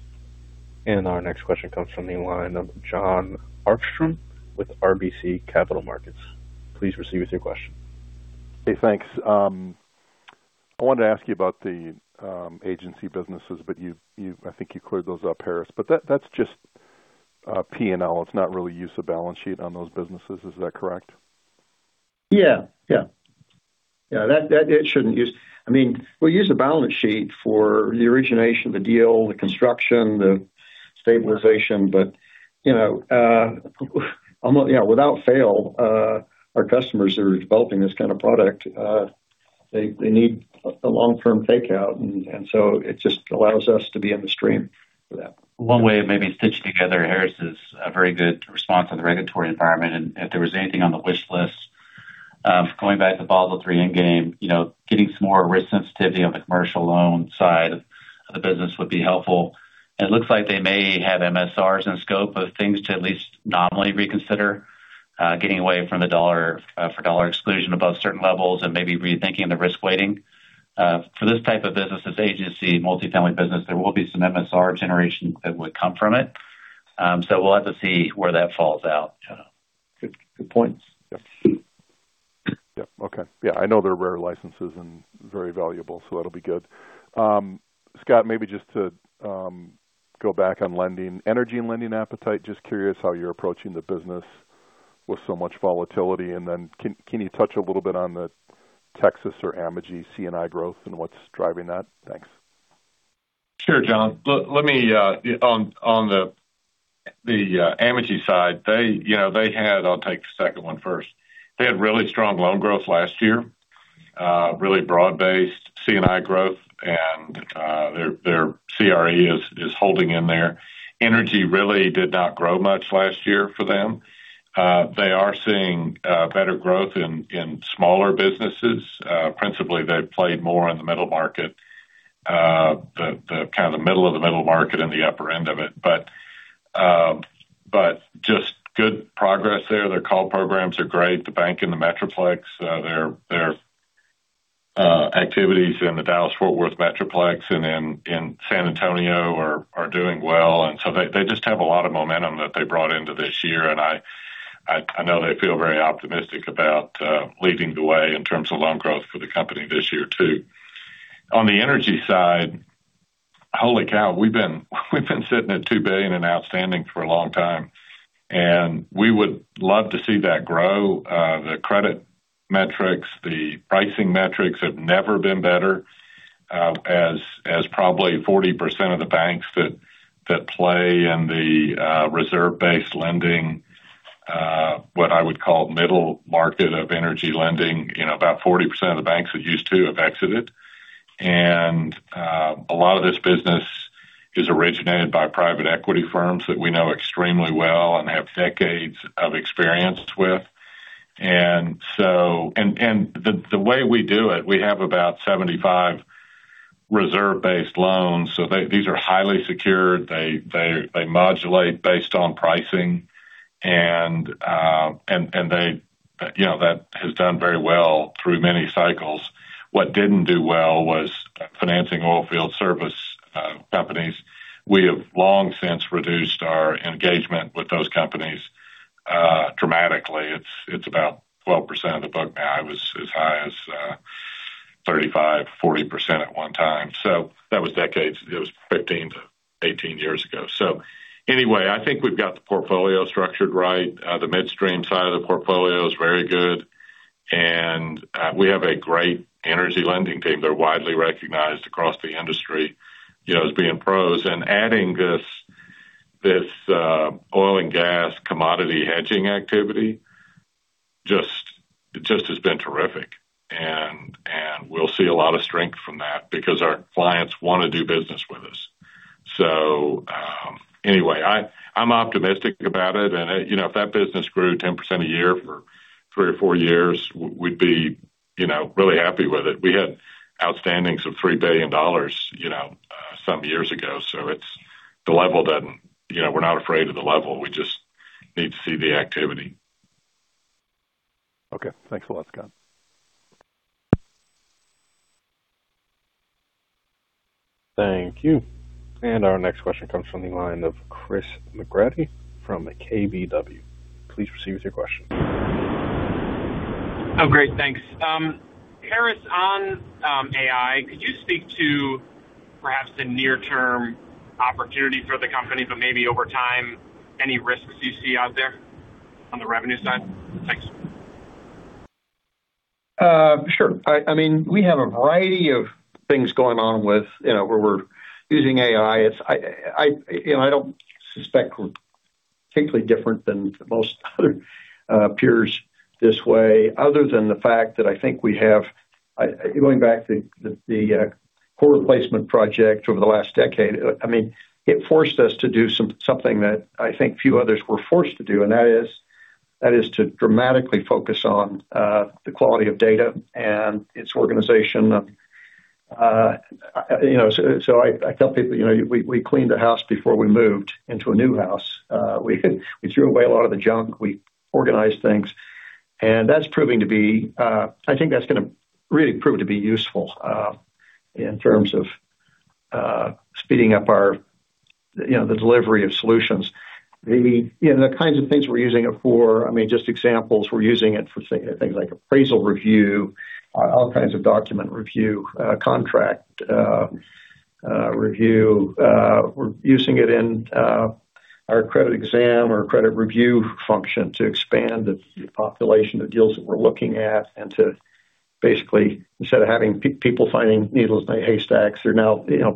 Our next question comes from the line of Jon Arfstrom with RBC Capital Markets. Please proceed with your question.
Hey, thanks. I wanted to ask you about the agency businesses, but I think you cleared those up, Harris. That's just P&L, it's not really use of balance sheet on those businesses, is that correct?
Yeah. I mean, we use the balance sheet for the origination of the deal, the construction, the stabilization. Without fail, our customers who are developing this kind of product, they need a long-term takeout. It just allows us to be in the stream for that.
One way of maybe stitching together Harris' very good response on the regulatory environment, and if there was anything on the wish list of going back to the Basel III end game, getting some more risk sensitivity on the commercial loan side of the business would be helpful. It looks like they may have MSRs in scope of things to at least nominally reconsider, getting away from the dollar for dollar exclusion above certain levels and maybe rethinking the risk weighting. For this type of business, this agency, multifamily business, there will be some MSR generation that would come from it. We'll have to see where that falls out, Jon.
Good points. Yep. Okay. Yeah, I know they're rare licenses and very valuable, so that'll be good. Scott, maybe just to go back on lending. Energy and lending appetite, just curious how you're approaching the business with so much volatility, and then can you touch a little bit on the Texas or Amegy C&I growth and what's driving that? Thanks.
Sure, Jon. On the Amegy side, I'll take the second one first. They had really strong loan growth last year. Really broad-based C&I growth, and their CRE is holding in there. Energy really did not grow much last year for them. They are seeing better growth in smaller businesses. Principally, they've played more in the middle market, the kind of the middle of the middle market and the upper end of it. But just good progress there. Their call programs are great. The bank in the Metroplex, their activities in the Dallas-Fort Worth Metroplex and in San Antonio are doing well. They just have a lot of momentum that they brought into this year, and I know they feel very optimistic about leading the way in terms of loan growth for the company this year, too. On the energy side, holy cow, we've been sitting at $2 billion in outstanding for a long time, and we would love to see that grow. The credit metrics, the pricing metrics have never been better, as probably 40% of the banks that play in the reserve-based lending, what I would call middle market of energy lending, about 40% of the banks that used to have exited. A lot of this business is originated by private equity firms that we know extremely well and have decades of experience with. The way we do it, we have about 75 reserve-based loans. These are highly secured. They modulate based on pricing. That has done very well through many cycles. What didn't do well was financing oil field service companies. We have long since reduced our engagement with those companies dramatically. It's about 12% of the book now. It was as high as 35%-40% at one time. That was decades ago. It was 15-18 years ago. Anyway, I think we've got the portfolio structured right. The midstream side of the portfolio is very good. We have a great energy lending team. They're widely recognized across the industry as being pros. Adding this oil and gas commodity hedging activity just has been terrific. We'll see a lot of strength from that because our clients want to do business with us. Anyway, I'm optimistic about it, and if that business grew 10% a year for three or four years, we'd be really happy with it. We had outstandings of $3 billion some years ago, so we're not afraid of the level. We just need to see the activity.
Okay. Thanks a lot, Scott.
Thank you. Our next question comes from the line of Chris McGratty from KBW. Please proceed with your question.
Oh, great. Thanks. Harris, on AI, could you speak to perhaps the near-term opportunity for the company, but maybe over time, any risks you see out there on the revenue side? Thanks.
Sure. We have a variety of things going on where we're using AI. I don't suspect we're particularly different than most other peers this way, other than the fact that I think we have, going back to the core replacement project over the last decade, it forced us to do something that I think few others were forced to do, and that is to dramatically focus on the quality of data and its organization. I tell people, we cleaned the house before we moved into a new house. We threw away a lot of the junk. We organized things, and I think that's going to really prove to be useful in terms of speeding up the delivery of solutions. The kinds of things we're using it for, just examples, we're using it for things like appraisal review, all kinds of document review, contract review. We're using it in our credit exam or credit review function to expand the population of deals that we're looking at and to basically, instead of having people finding needles in haystacks,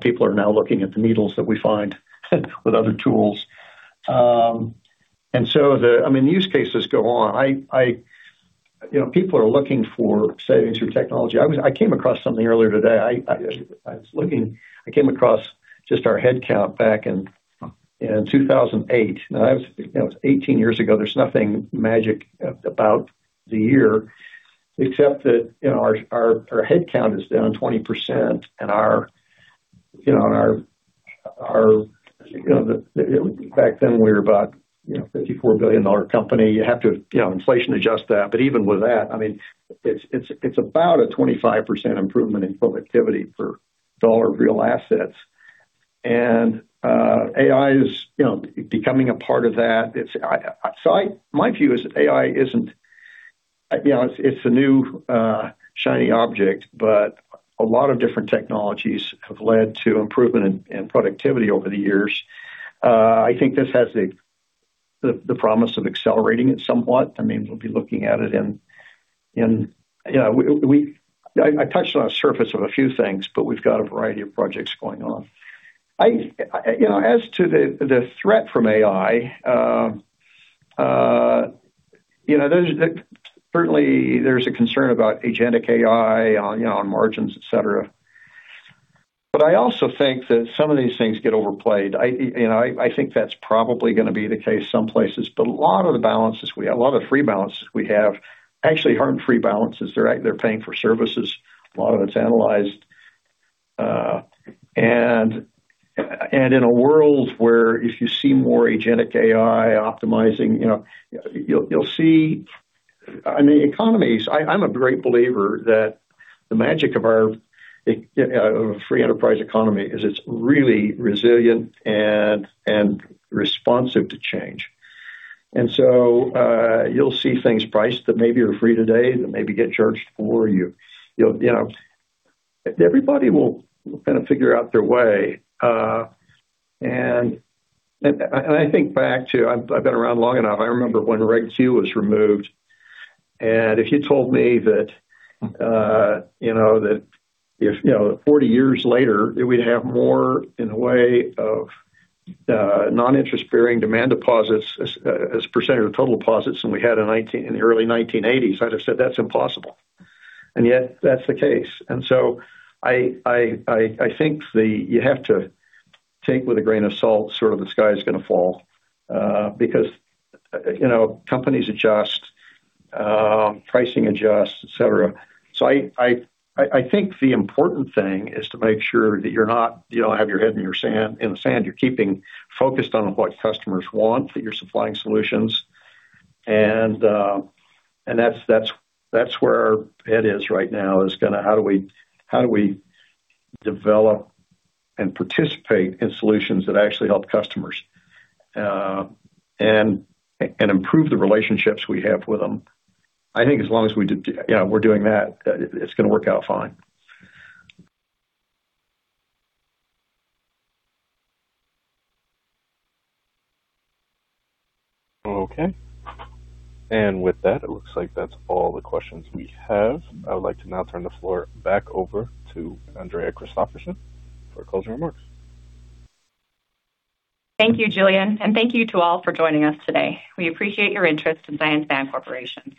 people are now looking at the needles that we find with other tools. I mean, use cases go on. People are looking for savings through technology. I came across something earlier today. I was looking. I came across just our headcount back in 2008. Now, that was 18 years ago. There's nothing magic about the year except that our headcount is down 20%. Back then, we were about a $54 billion company. You have to inflation-adjust that. But even with that, it's about a 25% improvement in productivity per $1 of real assets. AI is becoming a part of that. My view is AI, it's a new shiny object, but a lot of different technologies have led to improvement in productivity over the years. I think this has the promise of accelerating it somewhat. We'll be looking at it. I touched on the surface of a few things, but we've got a variety of projects going on. As to the threat from AI, certainly there's a concern about agentic AI on margins, et cetera. I also think that some of these things get overplayed. I think that's probably going to be the case some places. A lot of the balances we have, a lot of the free balances we have actually aren't free balances. They're paying for services. A lot of it's analyzed. In a world where if you see more agentic AI optimizing, you'll see economies. I'm a great believer that the magic of a free enterprise economy is it's really resilient and responsive to change. You'll see things priced that maybe are free today that maybe get charged for you. Everybody will kind of figure out their way. I think back to, I've been around long enough, I remember when the Reg Q was removed, and if you told me that 40 years later, that we'd have more in the way of non-interest-bearing demand deposits as a percentage of total deposits than we had in the early 1980s, I'd have said that's impossible. Yet, that's the case. I think you have to take with a grain of salt sort of the sky's going to fall because companies adjust, pricing adjusts, et cetera. I think the important thing is to make sure that you don't have your head in the sand, you're keeping focused on what customers want, that you're supplying solutions. That's where our head is right now is how do we develop and participate in solutions that actually help customers, and improve the relationships we have with them. I think as long as we're doing that, it's going to work out fine.
Okay. With that, it looks like that's all the questions we have. I would like to now turn the floor back over to Andrea Christoffersen for closing remarks.
Thank you, Julian, and thank you to all for joining us today. We appreciate your interest in Zions Bancorporation. If you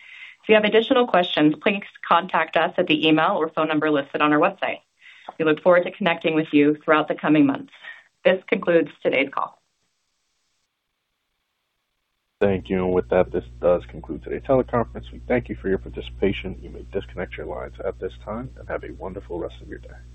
have additional questions, please contact us at the email or phone number listed on our website. We look forward to connecting with you throughout the coming months. This concludes today's call.
Thank you. With that, this does conclude today's teleconference. We thank you for your participation. You may disconnect your lines at this time, and have a wonderful rest of your day.